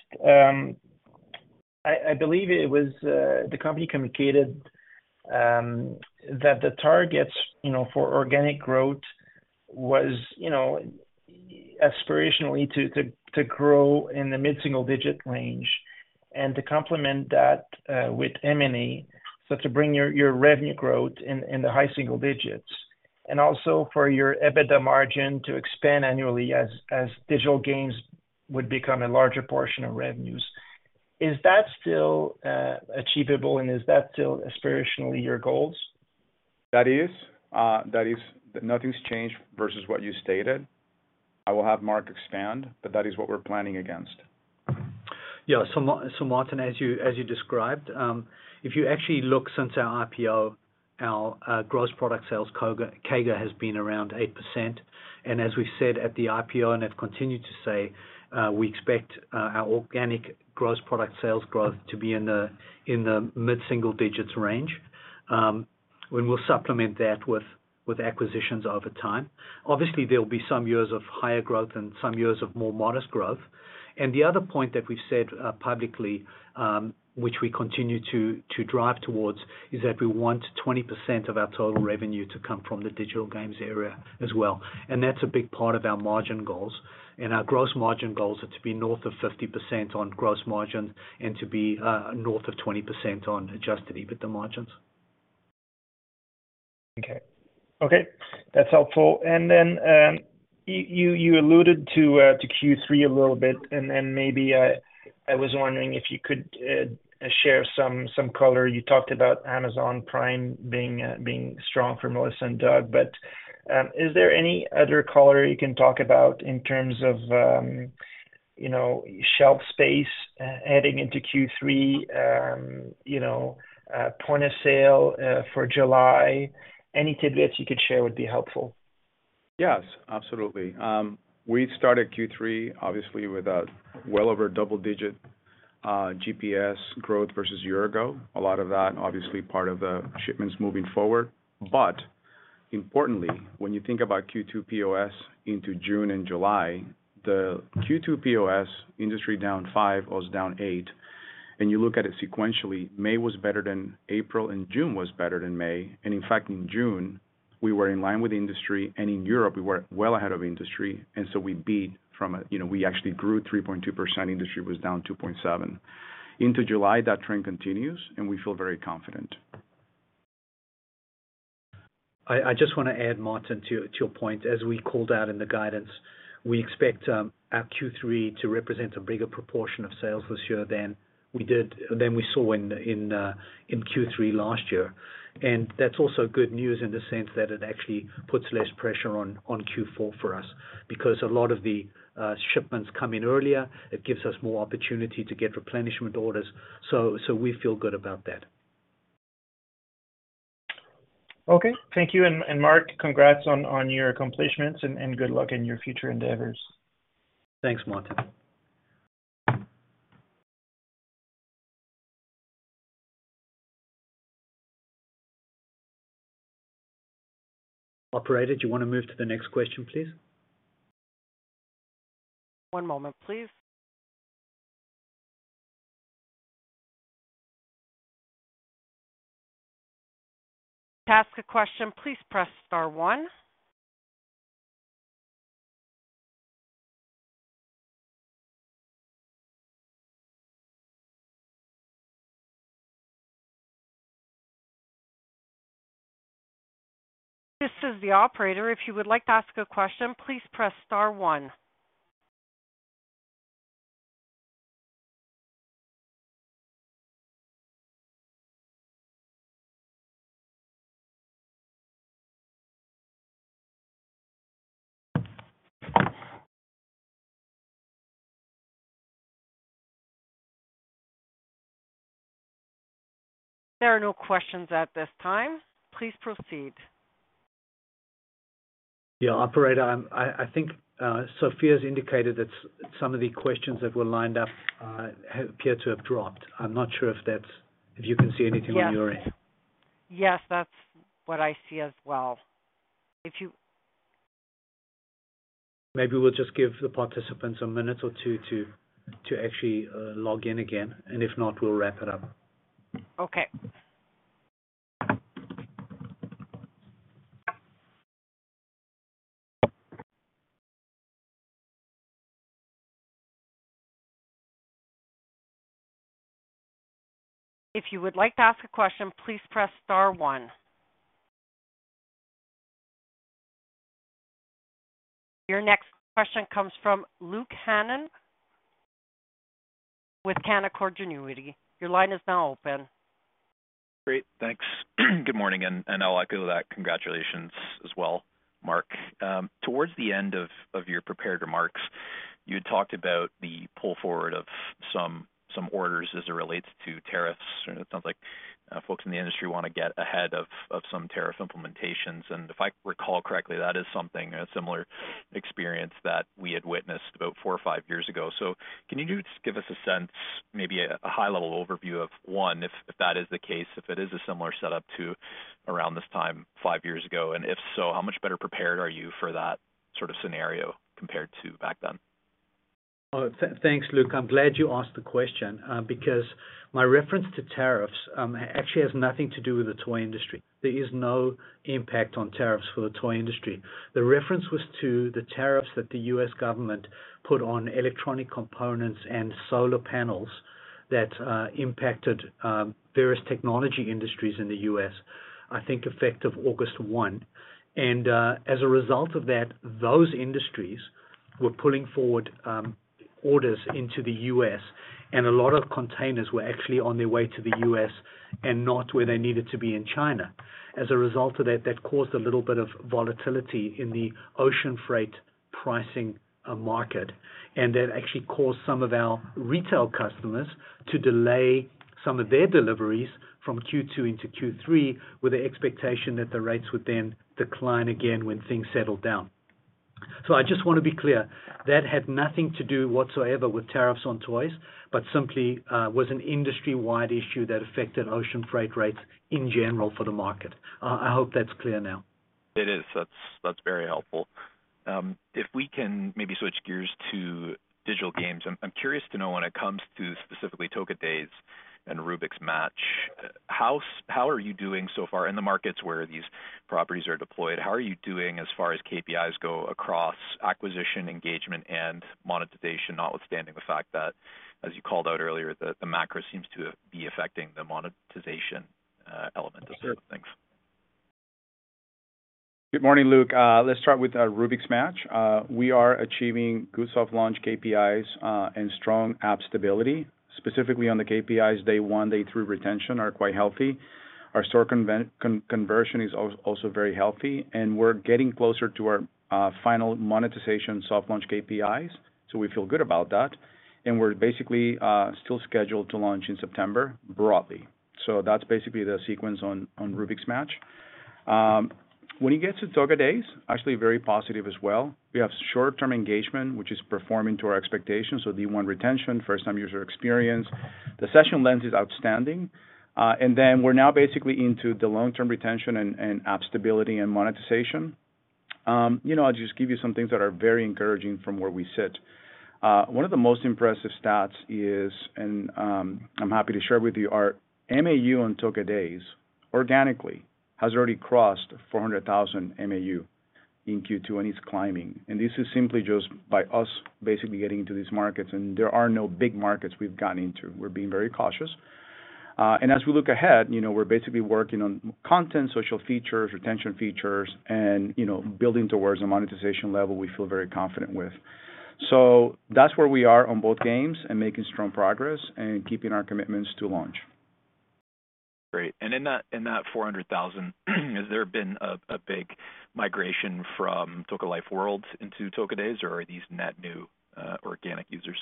I believe it was the company communicated that the targets for organic growth was aspirationally to grow in the mid-single-digit range and to complement that with M&A, so to bring your revenue growth in the high single digits, and also for your EBITDA margin to expand annually as digital games would become a larger portion of revenues. Is that still achievable, and is that still aspirationally your goals? That is. That is. Nothing's changed versus what you stated. I will have Mark expand, but that is what we're planning against. Yeah. So Martin, as you described, if you actually look since our IPO, our gross product sales growth has been around 8%. As we've said at the IPO, and have continued to say, we expect our organic gross product sales growth to be in the mid-single digits range. We'll supplement that with acquisitions over time. Obviously, there will be some years of higher growth and some years of more modest growth. The other point that we've said publicly, which we continue to drive towards, is that we want 20% of our total revenue to come from the digital games area as well. That's a big part of our margin goals. Our gross margin goals are to be north of 50% on gross margins and to be north of 20% on Adjusted EBITDA margins. Okay. Okay. That's helpful. Then you alluded to Q3 a little bit, and then maybe I was wondering if you could share some color. You talked about Amazon Prime being strong for Melissa & Doug, but is there any other color you can talk about in terms of shelf space heading into Q3, point of sale for July? Any tidbits you could share would be helpful. Yes, absolutely. We started Q3, obviously, with well over double-digit GPS growth versus a year ago. A lot of that, obviously, part of the shipments moving forward. But importantly, when you think about Q2 POS into June and July, the Q2 POS industry down 5 was down 8. And you look at it sequentially, May was better than April, and June was better than May. And in fact, in June, we were in line with industry, and in Europe, we were well ahead of industry. And so we beat from a we actually grew 3.2%; industry was down 2.7%. Into July, that trend continues, and we feel very confident. I just want to add, Martin, to your point. As we called out in the guidance, we expect our Q3 to represent a bigger proportion of sales this year than we saw in Q3 last year. And that's also good news in the sense that it actually puts less pressure on Q4 for us because a lot of the shipments come in earlier. It gives us more opportunity to get replenishment orders. So we feel good about that. Okay. Thank you. And Mark, congrats on your accomplishments and good luck in your future endeavors. Thanks, Martin. Operator, do you want to move to the next question, please? One moment, please. To ask a question, please press star one. This is the operator. If you would like to ask a question, please press star one. There are no questions at this time. Please proceed. Yeah. Operator, I think Sophia's indicated that some of the questions that were lined up appear to have dropped. I'm not sure if you can see anything on your end. Yes, that's what I see as well. If you— Maybe we'll just give the participants a minute or two to actually log in again. And if not, we'll wrap it up. Okay. If you would like to ask a question, please press star one. Your next question comes from Luke Hannan with Canaccord Genuity. Your line is now open. Great. Thanks. Good morning. And I'll echo that. Congratulations as well, Mark. Towards the end of your prepared remarks, you had talked about the pull forward of some orders as it relates to tariffs. It sounds like folks in the industry want to get ahead of some tariff implementations. If I recall correctly, that is something a similar experience that we had witnessed about 4 or 5 years ago. So can you just give us a sense, maybe a high-level overview of one, if that is the case, if it is a similar setup to around this time 5 years ago? And if so, how much better prepared are you for that sort of scenario compared to back then? Thanks, Luke. I'm glad you asked the question because my reference to tariffs actually has nothing to do with the toy industry. There is no impact on tariffs for the toy industry. The reference was to the tariffs that the U.S. government put on electronic components and solar panels that impacted various technology industries in the U.S., I think, effective August 1. As a result of that, those industries were pulling forward orders into the U.S., and a lot of containers were actually on their way to the U.S. and not where they needed to be in China. As a result of that, that caused a little bit of volatility in the ocean freight pricing market. And that actually caused some of our retail customers to delay some of their deliveries from Q2 into Q3 with the expectation that the rates would then decline again when things settled down. So I just want to be clear. That had nothing to do whatsoever with tariffs on toys, but simply was an industry-wide issue that affected ocean freight rates in general for the market. I hope that's clear now. It is. That's very helpful. If we can maybe switch gears to digital games, I'm curious to know when it comes to specifically Toca Days and Rubik's Match, how are you doing so far in the markets where these properties are deployed? How are you doing as far as KPIs go across acquisition, engagement, and monetization, notwithstanding the fact that, as you called out earlier, the macro seems to be affecting the monetization element of certain things? Good morning, Luke. Let's start with Rubik's Match. We are achieving good soft launch KPIs and strong app stability. Specifically on the KPIs, day 1, day 3 retention are quite healthy. Our store conversion is also very healthy, and we're getting closer to our final monetization soft launch KPIs. So we feel good about that. And we're basically still scheduled to launch in September broadly. So that's basically the sequence on Rubik's Match. When it gets to Toca Days, actually very positive as well. We have short-term engagement, which is performing to our expectations. So day one retention, first-time user experience. The session lens is outstanding. And then we're now basically into the long-term retention and app stability and monetization. I'll just give you some things that are very encouraging from where we sit. One of the most impressive stats is, and I'm happy to share with you, our MAU on Toca Days organically has already crossed 400,000 MAU in Q2, and it's climbing. And this is simply just by us basically getting into these markets. And there are no big markets we've gone into. We're being very cautious. And as we look ahead, we're basically working on content, social features, retention features, and building towards a monetization level we feel very confident with. So that's where we are on both games and making strong progress and keeping our commitments to launch. Great. And in that 400,000, has there been a big migration from Toca Life World into Toca Days, or are these net new organic users?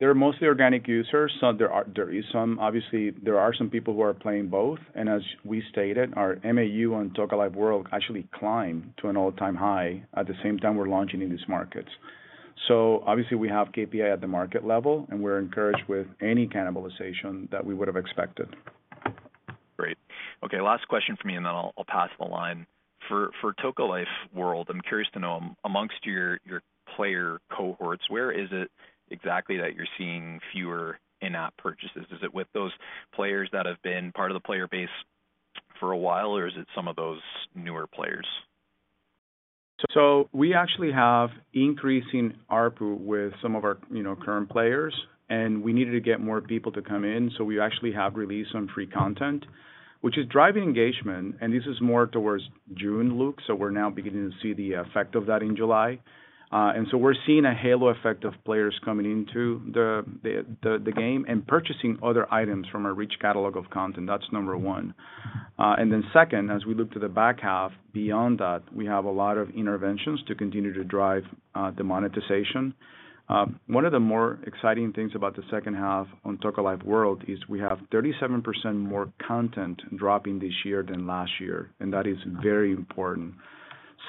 They're mostly organic users. So there is some, obviously, there are some people who are playing both. And as we stated, our MAU on Toca Life World actually climbed to an all-time high at the same time we're launching in these markets. So obviously, we have KPI at the market level, and we're encouraged with any cannibalization that we would have expected. Great. Okay. Last question for me, and then I'll pass the line. For Toca Life World, I'm curious to know, among your player cohorts, where is it exactly that you're seeing fewer in-app purchases? Is it with those players that have been part of the player base for a while, or is it some of those newer players? So we actually have increasing ARPU with some of our current players, and we needed to get more people to come in. So we actually have released some free content, which is driving engagement. And this is more towards June, Luke. So we're now beginning to see the effect of that in July. And so we're seeing a halo effect of players coming into the game and purchasing other items from our rich catalog of content. That's number one. And then second, as we look to the back half, beyond that, we have a lot of interventions to continue to drive the monetization. One of the more exciting things about the second half on Toca Life World is we have 37% more content dropping this year than last year, and that is very important.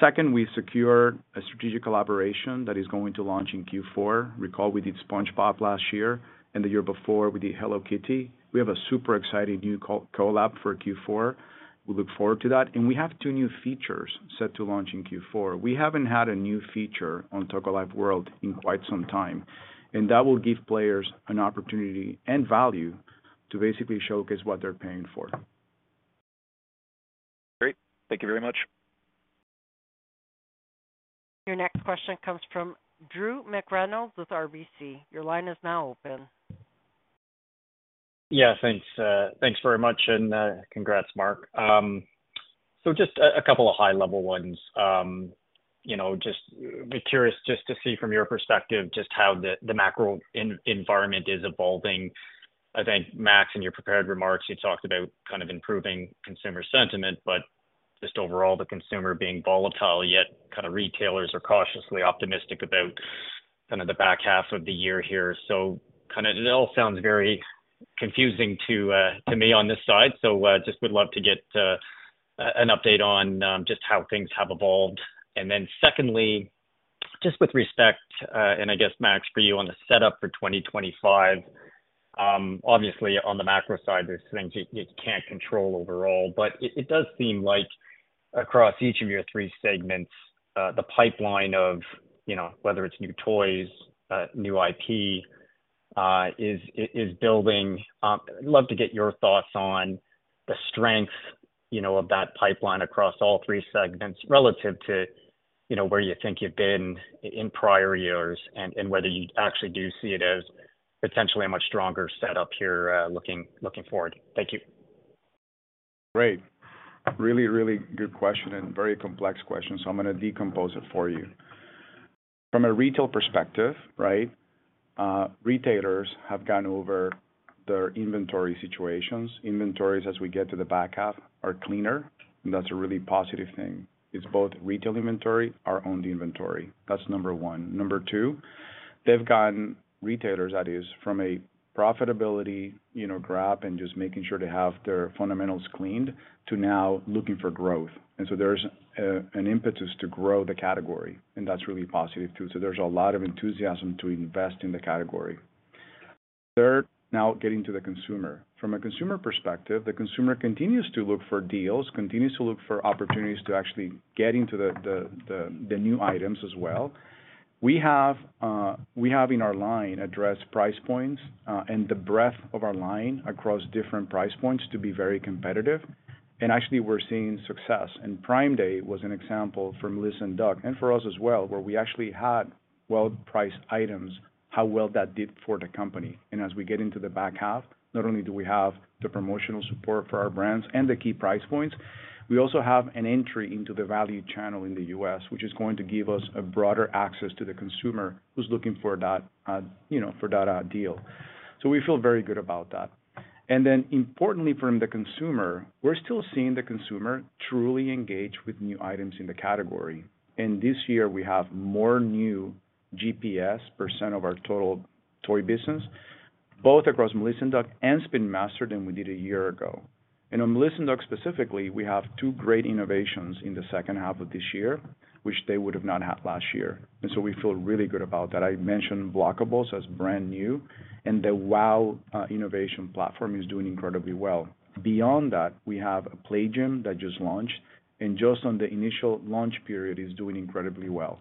Second, we secure a strategic collaboration that is going to launch in Q4. Recall, we did SpongeBob last year, and the year before, we did Hello Kitty. We have a super exciting new collab for Q4. We look forward to that. And we have two new features set to launch in Q4. We haven't had a new feature on Toca Life World in quite some time. And that will give players an opportunity and value to basically showcase what they're paying for. Great. Thank you very much. Your next question comes from Drew McReynolds with RBC. Your line is now open. Yes. Thanks. Thanks very much. And congrats, Mark. So just a couple of high-level ones. Just curious just to see from your perspective just how the macro environment is evolving. I think, Max, in your prepared remarks, you talked about kind of improving consumer sentiment, but just overall, the consumer being volatile, yet kind of retailers are cautiously optimistic about kind of the back half of the year here. So kind of it all sounds very confusing to me on this side. So just would love to get an update on just how things have evolved. And then secondly, just with respect, and I guess, Max, for you on the setup for 2025, obviously, on the macro side, there's things you can't control overall. But it does seem like across each of your three segments, the pipeline of whether it's new toys, new IP is building. I'd love to get your thoughts on the strength of that pipeline across all three segments relative to where you think you've been in prior years and whether you actually do see it as potentially a much stronger setup here looking forward. Thank you. Great. Really, really good question and very complex question. So I'm going to decompose it for you. From a retail perspective, right, retailers have gone over their inventory situations. Inventories, as we get to the back half, are cleaner. And that's a really positive thing. It's both retail inventory and our owned inventory. That's number one. Number two, they've gone retailers, that is, from a profitability grab and just making sure they have their fundamentals cleaned to now looking for growth. And so there's an impetus to grow the category. And that's really positive too. So there's a lot of enthusiasm to invest in the category. Third, now getting to the consumer. From a consumer perspective, the consumer continues to look for deals, continues to look for opportunities to actually get into the new items as well. We have in our line addressed price points and the breadth of our line across different price points to be very competitive. And actually, we're seeing success. And Prime Day was an example for Melissa & Doug, and for us as well, where we actually had well-priced items, how well that did for the company. And as we get into the back half, not only do we have the promotional support for our brands and the key price points, we also have an entry into the value channel in the U.S., which is going to give us a broader access to the consumer who's looking for that deal. So we feel very good about that. And then importantly, from the consumer, we're still seeing the consumer truly engage with new items in the category. And this year, we have more new GPS percent of our total toy business, both across Melissa & Doug and Spin Master than we did a year ago. And on Melissa & Doug specifically, we have two great innovations in the second half of this year, which they would have not had last year. And so we feel really good about that. I mentioned Blockables as brand new, and the WOW innovation platform is doing incredibly well. Beyond that, we have a Play Gym that just launched, and just on the initial launch period, is doing incredibly well.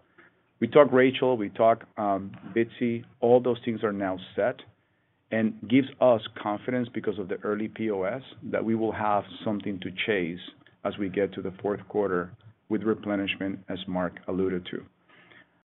We talk Ms. Rachel, we talk Bitzee. All those things are now set and gives us confidence because of the early POS that we will have something to chase as we get to the Q4 with replenishment, as Mark alluded to.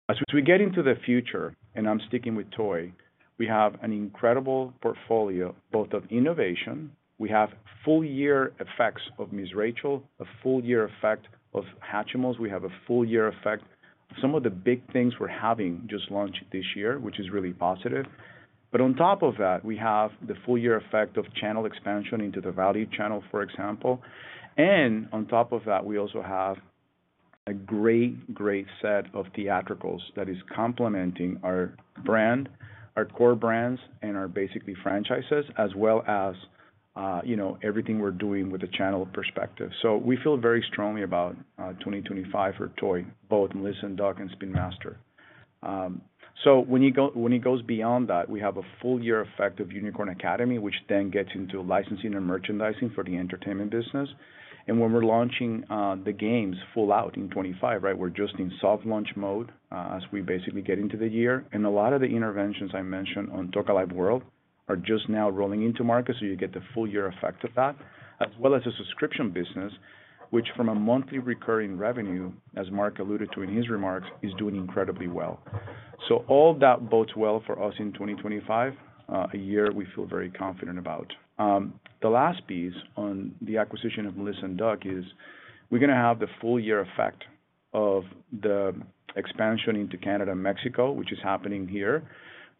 As we get into the future, and I'm sticking with toy, we have an incredible portfolio, both of innovation. We have full-year effects of Miss Rachel, a full-year effect of Hatchimals. We have a full-year effect of some of the big things we're having just launched this year, which is really positive. But on top of that, we have the full-year effect of channel expansion into the value channel, for example. And on top of that, we also have a great, great set of theatricals that is complementing our brand, our core brands, and our basically franchises, as well as everything we're doing with the channel perspective. So we feel very strongly about 2025 for toys, both Melissa & Doug and Spin Master. So when it goes beyond that, we have a full-year effect of Unicorn Academy, which then gets into licensing and merchandising for the entertainment business. And when we're launching the games full out in 2025, right, we're just in soft launch mode as we basically get into the year. And a lot of the interventions I mentioned on Toca Life World are just now rolling into market. So you get the full-year effect of that, as well as the subscription business, which from a monthly recurring revenue, as Mark alluded to in his remarks, is doing incredibly well. So all that bodes well for us in 2025, a year we feel very confident about. The last piece on the acquisition of Melissa & Doug is we're going to have the full-year effect of the expansion into Canada and Mexico, which is happening here.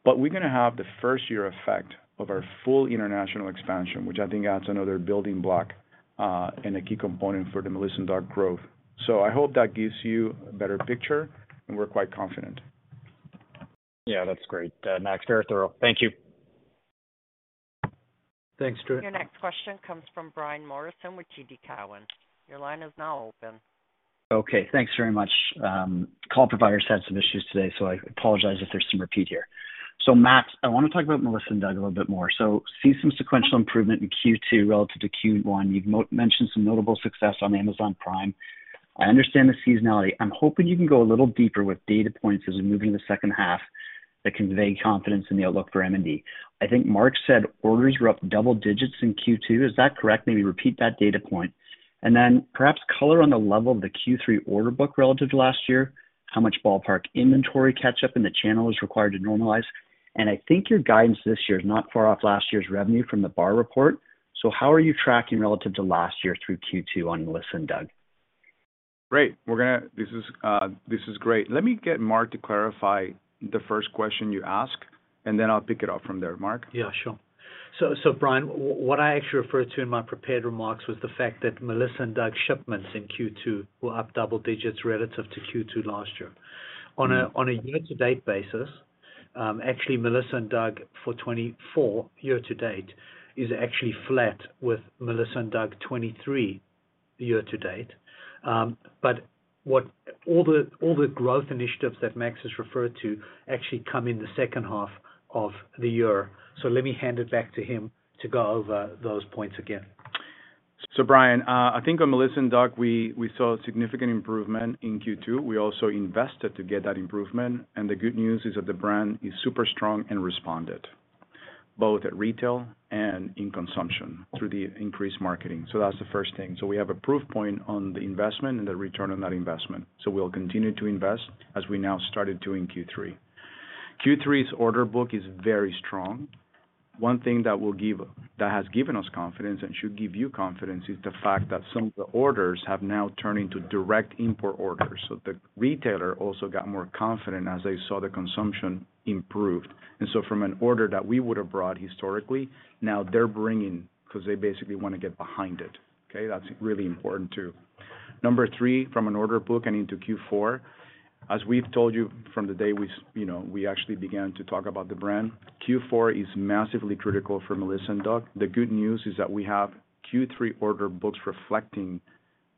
But we're going to have the first-year effect of our full international expansion, which I think adds another building block and a key component for the Melissa & Doug growth. So I hope that gives you a better picture, and we're quite confident. Yeah, that's great. Max, very thorough. Thank you. Thanks, Drew. Your next question comes from Brian Morrison with TD Cowen. Your line is now open. Okay. Thanks very much. Call providers had some issues today, so I apologize if there's some repeat here. So Max, I want to talk about Melissa & Doug a little bit more. So see some sequential improvement in Q2 relative to Q1. You've mentioned some notable success on Amazon Prime. I understand the seasonality. I'm hoping you can go a little deeper with data points as we move into the second half that convey confidence in the outlook for M&D. I think Mark said orders were up double digits in Q2. Is that correct? Maybe repeat that data point. And then perhaps color on the level of the Q3 order book relative to last year, how much ballpark inventory catch-up in the channel is required to normalize. And I think your guidance this year is not far off last year's revenue from the BAR report. So how are you tracking relative to last year through Q2 on Melissa & Doug? Great. This is great. Let me get Mark to clarify the first question you asked, and then I'll pick it up from there, Mark. Yeah, sure. So Brian, what I actually referred to in my prepared remarks was the fact that Melissa & Doug shipments in Q2 were up double digits relative to Q2 last year. On a year-to-date basis, actually, Melissa & Doug for 2024 year-to-date is actually flat with Melissa & Doug 2023 year-to-date. But all the growth initiatives that Max has referred to actually come in the second half of the year. So let me hand it back to him to go over those points again. So Brian, I think on Melissa & Doug, we saw a significant improvement in Q2. We also invested to get that improvement. And the good news is that the brand is super strong and responded, both at retail and in consumption through the increased marketing. So that's the first thing. So we have a proof point on the investment and the return on that investment. So we'll continue to invest as we now started to in Q3. Q3's order book is very strong. One thing that has given us confidence and should give you confidence is the fact that some of the orders have now turned into direct import orders. So the retailer also got more confident as they saw the consumption improved. And so from an order that we would have brought historically, now they're bringing because they basically want to get behind it. Okay? That's really important too. Number three, from an order book and into Q4, as we've told you from the day we actually began to talk about the brand, Q4 is massively critical for Melissa & Doug. The good news is that we have Q3 order books reflecting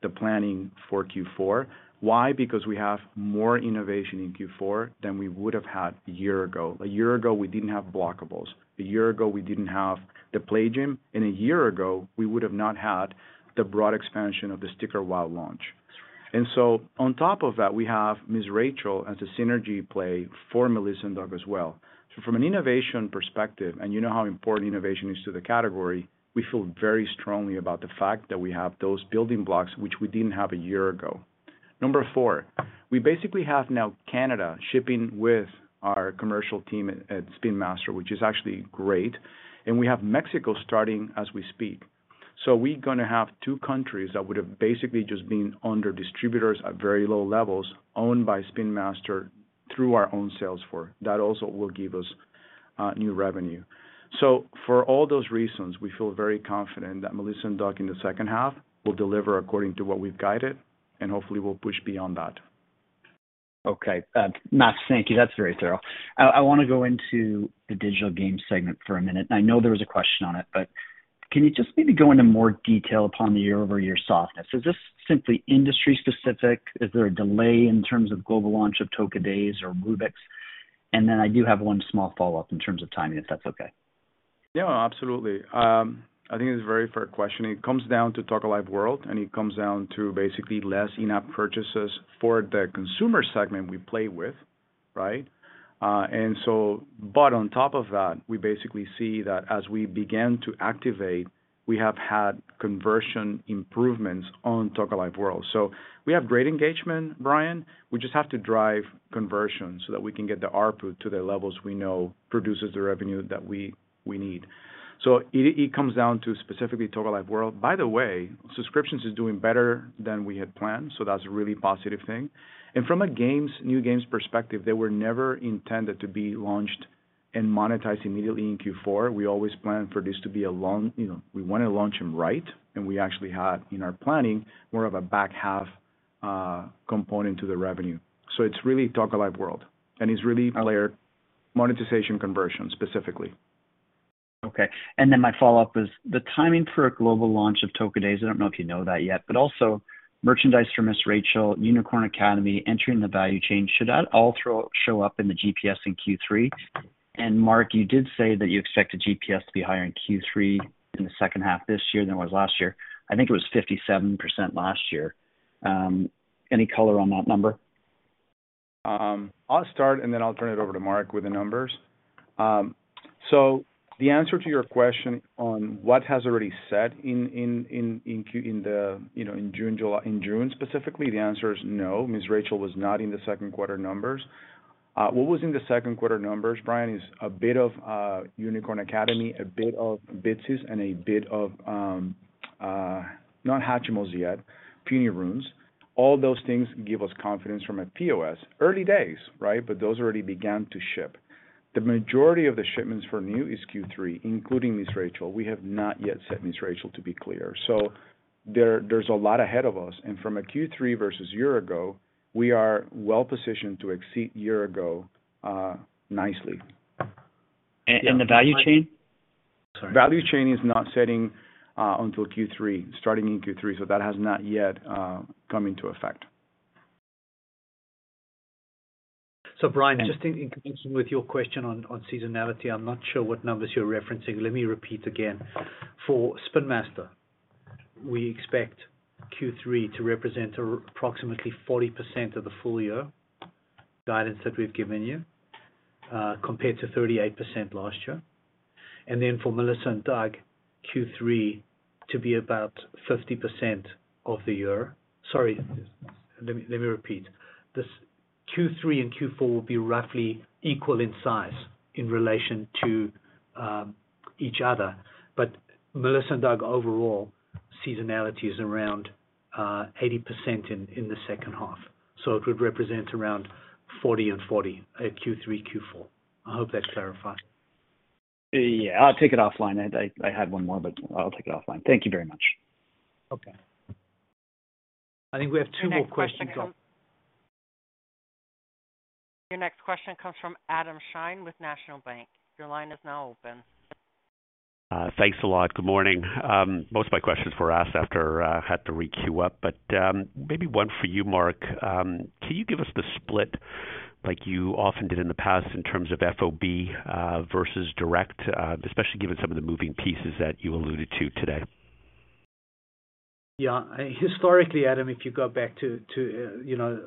the planning for Q4. Why? Because we have more innovation in Q4 than we would have had a year ago. A year ago, we didn't have Blockables. A year ago, we didn't have the Play Gym. A year ago, we would have not had the broad expansion of the Sticker WOW! launch. So on top of that, we have Miss Rachel as a synergy play for Melissa & Doug as well. So from an innovation perspective, and you know how important innovation is to the category, we feel very strongly about the fact that we have those building blocks, which we didn't have a year ago. Number 4, we basically have now Canada shipping with our commercial team at Spin Master, which is actually great. We have Mexico starting as we speak. So we're going to have 2 countries that would have basically just been under distributors at very low levels owned by Spin Master through our own sales for that also will give us new revenue. So for all those reasons, we feel very confident that Melissa & Doug in the second half will deliver according to what we've guided, and hopefully, we'll push beyond that. Okay. Max, thank you. That's very thorough. I want to go into the digital game segment for a minute. And I know there was a question on it, but can you just maybe go into more detail upon the year-over-year softness? Is this simply industry-specific? Is there a delay in terms of global launch of Toca Days or Rubik's? And then I do have one small follow-up in terms of timing, if that's okay. Yeah, absolutely. I think it's a very fair question. It comes down to Toca Life World, and it comes down to basically less in-app purchases for the consumer segment we play with, right? But on top of that, we basically see that as we began to activate, we have had conversion improvements on Toca Life World. So we have great engagement, Brian. We just have to drive conversion so that we can get the output to the levels we know produces the revenue that we need. So it comes down to specifically Toca Life World. By the way, subscriptions are doing better than we had planned. So that's a really positive thing. And from a new games perspective, they were never intended to be launched and monetized immediately in Q4. We always planned for this to be a long we want to launch them right, and we actually had in our planning more of a back half component to the revenue. So it's really Toca Life World. And it's really layered monetization conversion specifically. Okay. Then my follow-up is the timing for a global launch of Toca Days. I don't know if you know that yet, but also merchandise for Ms. Rachel, Unicorn Academy, entering the value chain. Should that all show up in the GPS in Q3? And Mark, you did say that you expect the GPS to be higher in Q3 in the second half this year than it was last year. I think it was 57% last year. Any color on that number? I'll start, and then I'll turn it over to Mark with the numbers. So the answer to your question on what has already set in June, specifically, the answer is no. Ms. Rachel was not in the Q2 numbers. What was in the Q2 numbers, Brian, is a bit of Unicorn Academy, a bit of Bitzee, and a bit of not Hatchimals yet, Punirunes. All those things give us confidence from a POS early days, right? But those already began to ship. The majority of the shipments for new is Q3, including Ms. Rachel. We have not yet set Ms. Rachel, to be clear. So there's a lot ahead of us. And from a Q3 versus year ago, we are well-positioned to exceed year ago nicely. And the value chain? Sorry. Value chain is not setting until Q3, starting in Q3. So that has not yet come into effect. So Brian, just in connection with your question on seasonality, I'm not sure what numbers you're referencing. Let me repeat again. For Spin Master, we expect Q3 to represent approximately 40% of the full-year guidance that we've given you compared to 38% last year. And then for Melissa & Doug, Q3 to be about 50% of the year. Sorry, let me repeat. Q3 and Q4 will be roughly equal in size in relation to each other. But Melissa & Doug overall, seasonality is around 80% in the second half. So it would represent around 40 and 40 at Q3, Q4. I hope that clarifies. Yeah. I'll take it offline. I had one more, but I'll take it offline. Thank you very much. Okay. I think we have two more questions. [crosstalk] Your next question comes from Adam Schein with National Bank. Your line is now open. Thanks a lot. Good morning. Most of my questions were asked after I had to requeue up. But maybe one for you, Mark. Can you give us the split like you often did in the past in terms of FOB versus direct, especially given some of the moving pieces that you alluded to today? Yeah. Historically, Adam, if you go back to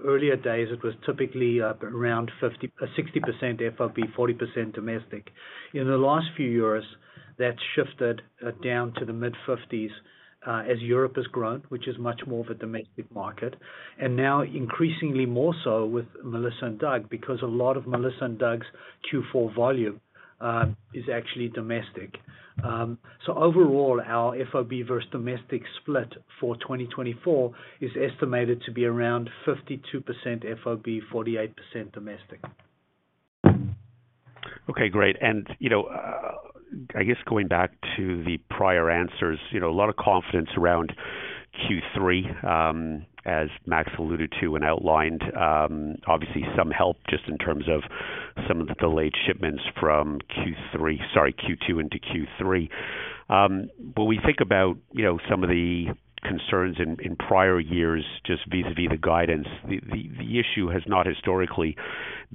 earlier days, it was typically around 60% FOB, 40% domestic. In the last few years, that's shifted down to the mid-50s as Europe has grown, which is much more of a domestic market. And now increasingly more so with Melissa & Doug because a lot of Melissa & Doug's Q4 volume is actually domestic. So overall, our FOB versus domestic split for 2024 is estimated to be around 52% FOB, 48% domestic. Okay. Great. And I guess going back to the prior answers, a lot of confidence around Q3, as Max alluded to and outlined, obviously some help just in terms of some of the delayed shipments from Q3, sorry, Q2 into Q3. When we think about some of the concerns in prior years, just vis-à-vis the guidance, the issue has not historically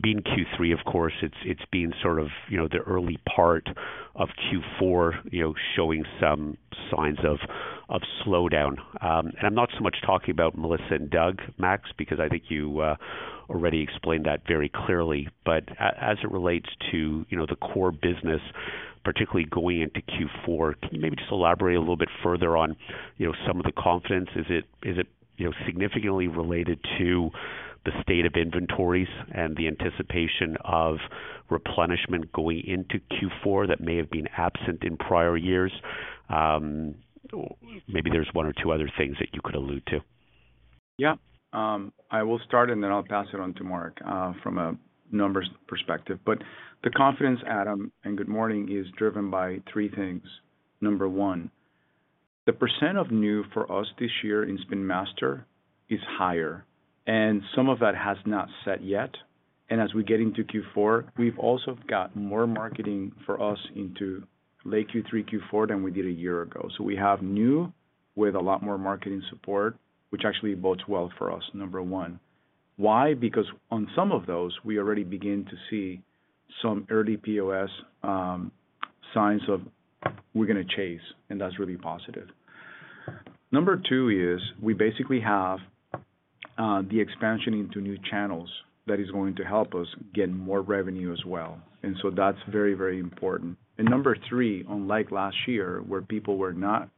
been Q3, of course. It's been sort of the early part of Q4 showing some signs of slowdown. And I'm not so much talking about Melissa & Doug, Max, because I think you already explained that very clearly. But as it relates to the core business, particularly going into Q4, can you maybe just elaborate a little bit further on some of the confidence? Is it significantly related to the state of inventories and the anticipation of replenishment going into Q4 that may have been absent in prior years? Maybe there's one or two other things that you could allude to. Yeah. I will start, and then I'll pass it on to Mark from a numbers perspective. But the confidence, Adam and good morning, is driven by three things. Number one, the percent of new for us this year in Spin Master is higher, and some of that has not set yet. As we get into Q4, we've also got more marketing for us into late Q3, Q4 than we did a year ago. We have new with a lot more marketing support, which actually bodes well for us, number 1. Why? Because on some of those, we already begin to see some early POS signs of we're going to chase, and that's really positive. Number 2 is we basically have the expansion into new channels that is going to help us get more revenue as well. That's very, very important. Number 3, unlike last year, where people were not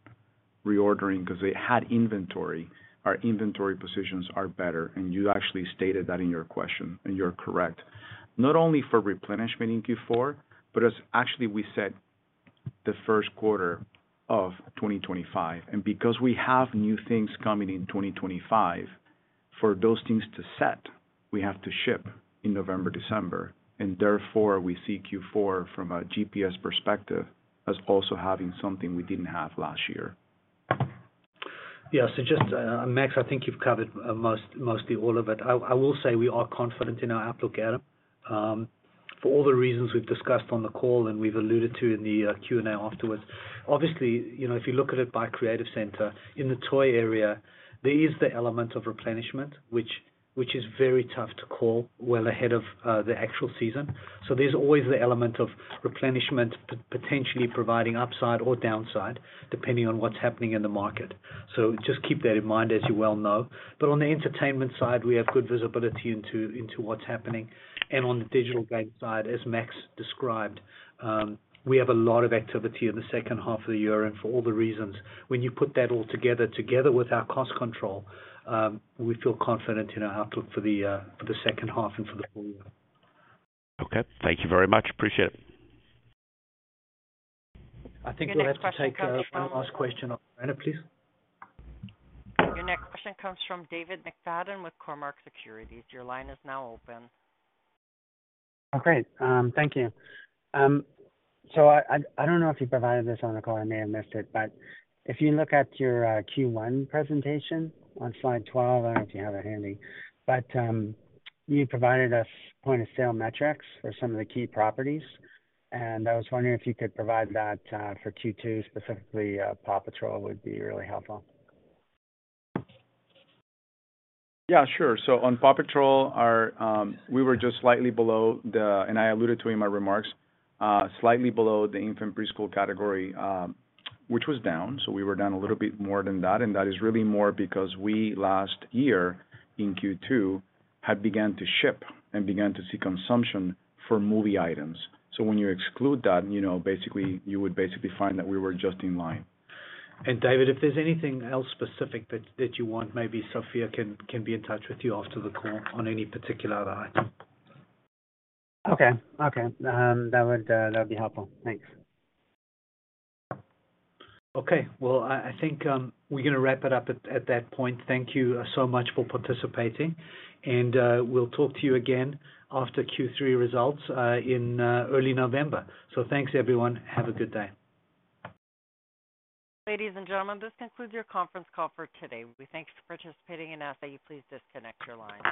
reordering because they had inventory, our inventory positions are better. You actually stated that in your question, and you're correct. Not only for replenishment in Q4, but actually we set the Q1 of 2025. Because we have new things coming in 2025, for those things to set, we have to ship in November, December. Therefore, we see Q4 from a GPS perspective as also having something we didn't have last year. Yeah. So just, Max, I think you've covered mostly all of it. I will say we are confident in our outlook, Adam, for all the reasons we've discussed on the call and we've alluded to in the Q&A afterwards. Obviously, if you look at it by Creative Center, in the toy area, there is the element of replenishment, which is very tough to call well ahead of the actual season. So there's always the element of replenishment potentially providing upside or downside depending on what's happening in the market. So just keep that in mind as you well know. But on the entertainment side, we have good visibility into what's happening. On the digital game side, as Max described, we have a lot of activity in the second half of the year and for all the reasons. When you put that all together, together with our cost control, we feel confident in our outlook for the second half and for the full year. Okay. Thank you very much. Appreciate it. [crosstalk] I think we'll have to take one last question on the line, please. Your next question comes from David McFadgen with Cormark Securities. Your line is now open. Great. Thank you. I don't know if you provided this on the call. I may have missed it. If you look at your Q1 presentation on slide 12, I don't know if you have it handy, but you provided us point-of-sale metrics for some of the key properties. And I was wondering if you could provide that for Q2, specifically Paw Patrol would be really helpful. Yeah, sure. So on Paw Patrol, we were just slightly below the, and I alluded to in my remarks, slightly below the infant preschool category, which was down. So we were down a little bit more than that. And that is really more because we last year in Q2 had begun to ship and began to see consumption for movie items. So when you exclude that, basically, you would basically find that we were just in line. And David, if there's anything else specific that you want, maybe Sophia can be in touch with you after the call on any particular item. Okay. Okay. That would be helpful. Thanks. Okay. Well, I think we're going to wrap it up at that point. Thank you so much for participating. We'll talk to you again after Q3 results in early November. So thanks, everyone. Have a good day. Ladies and gentlemen, this concludes your conference call for today. We thank you for participating and ask that you please disconnect your line.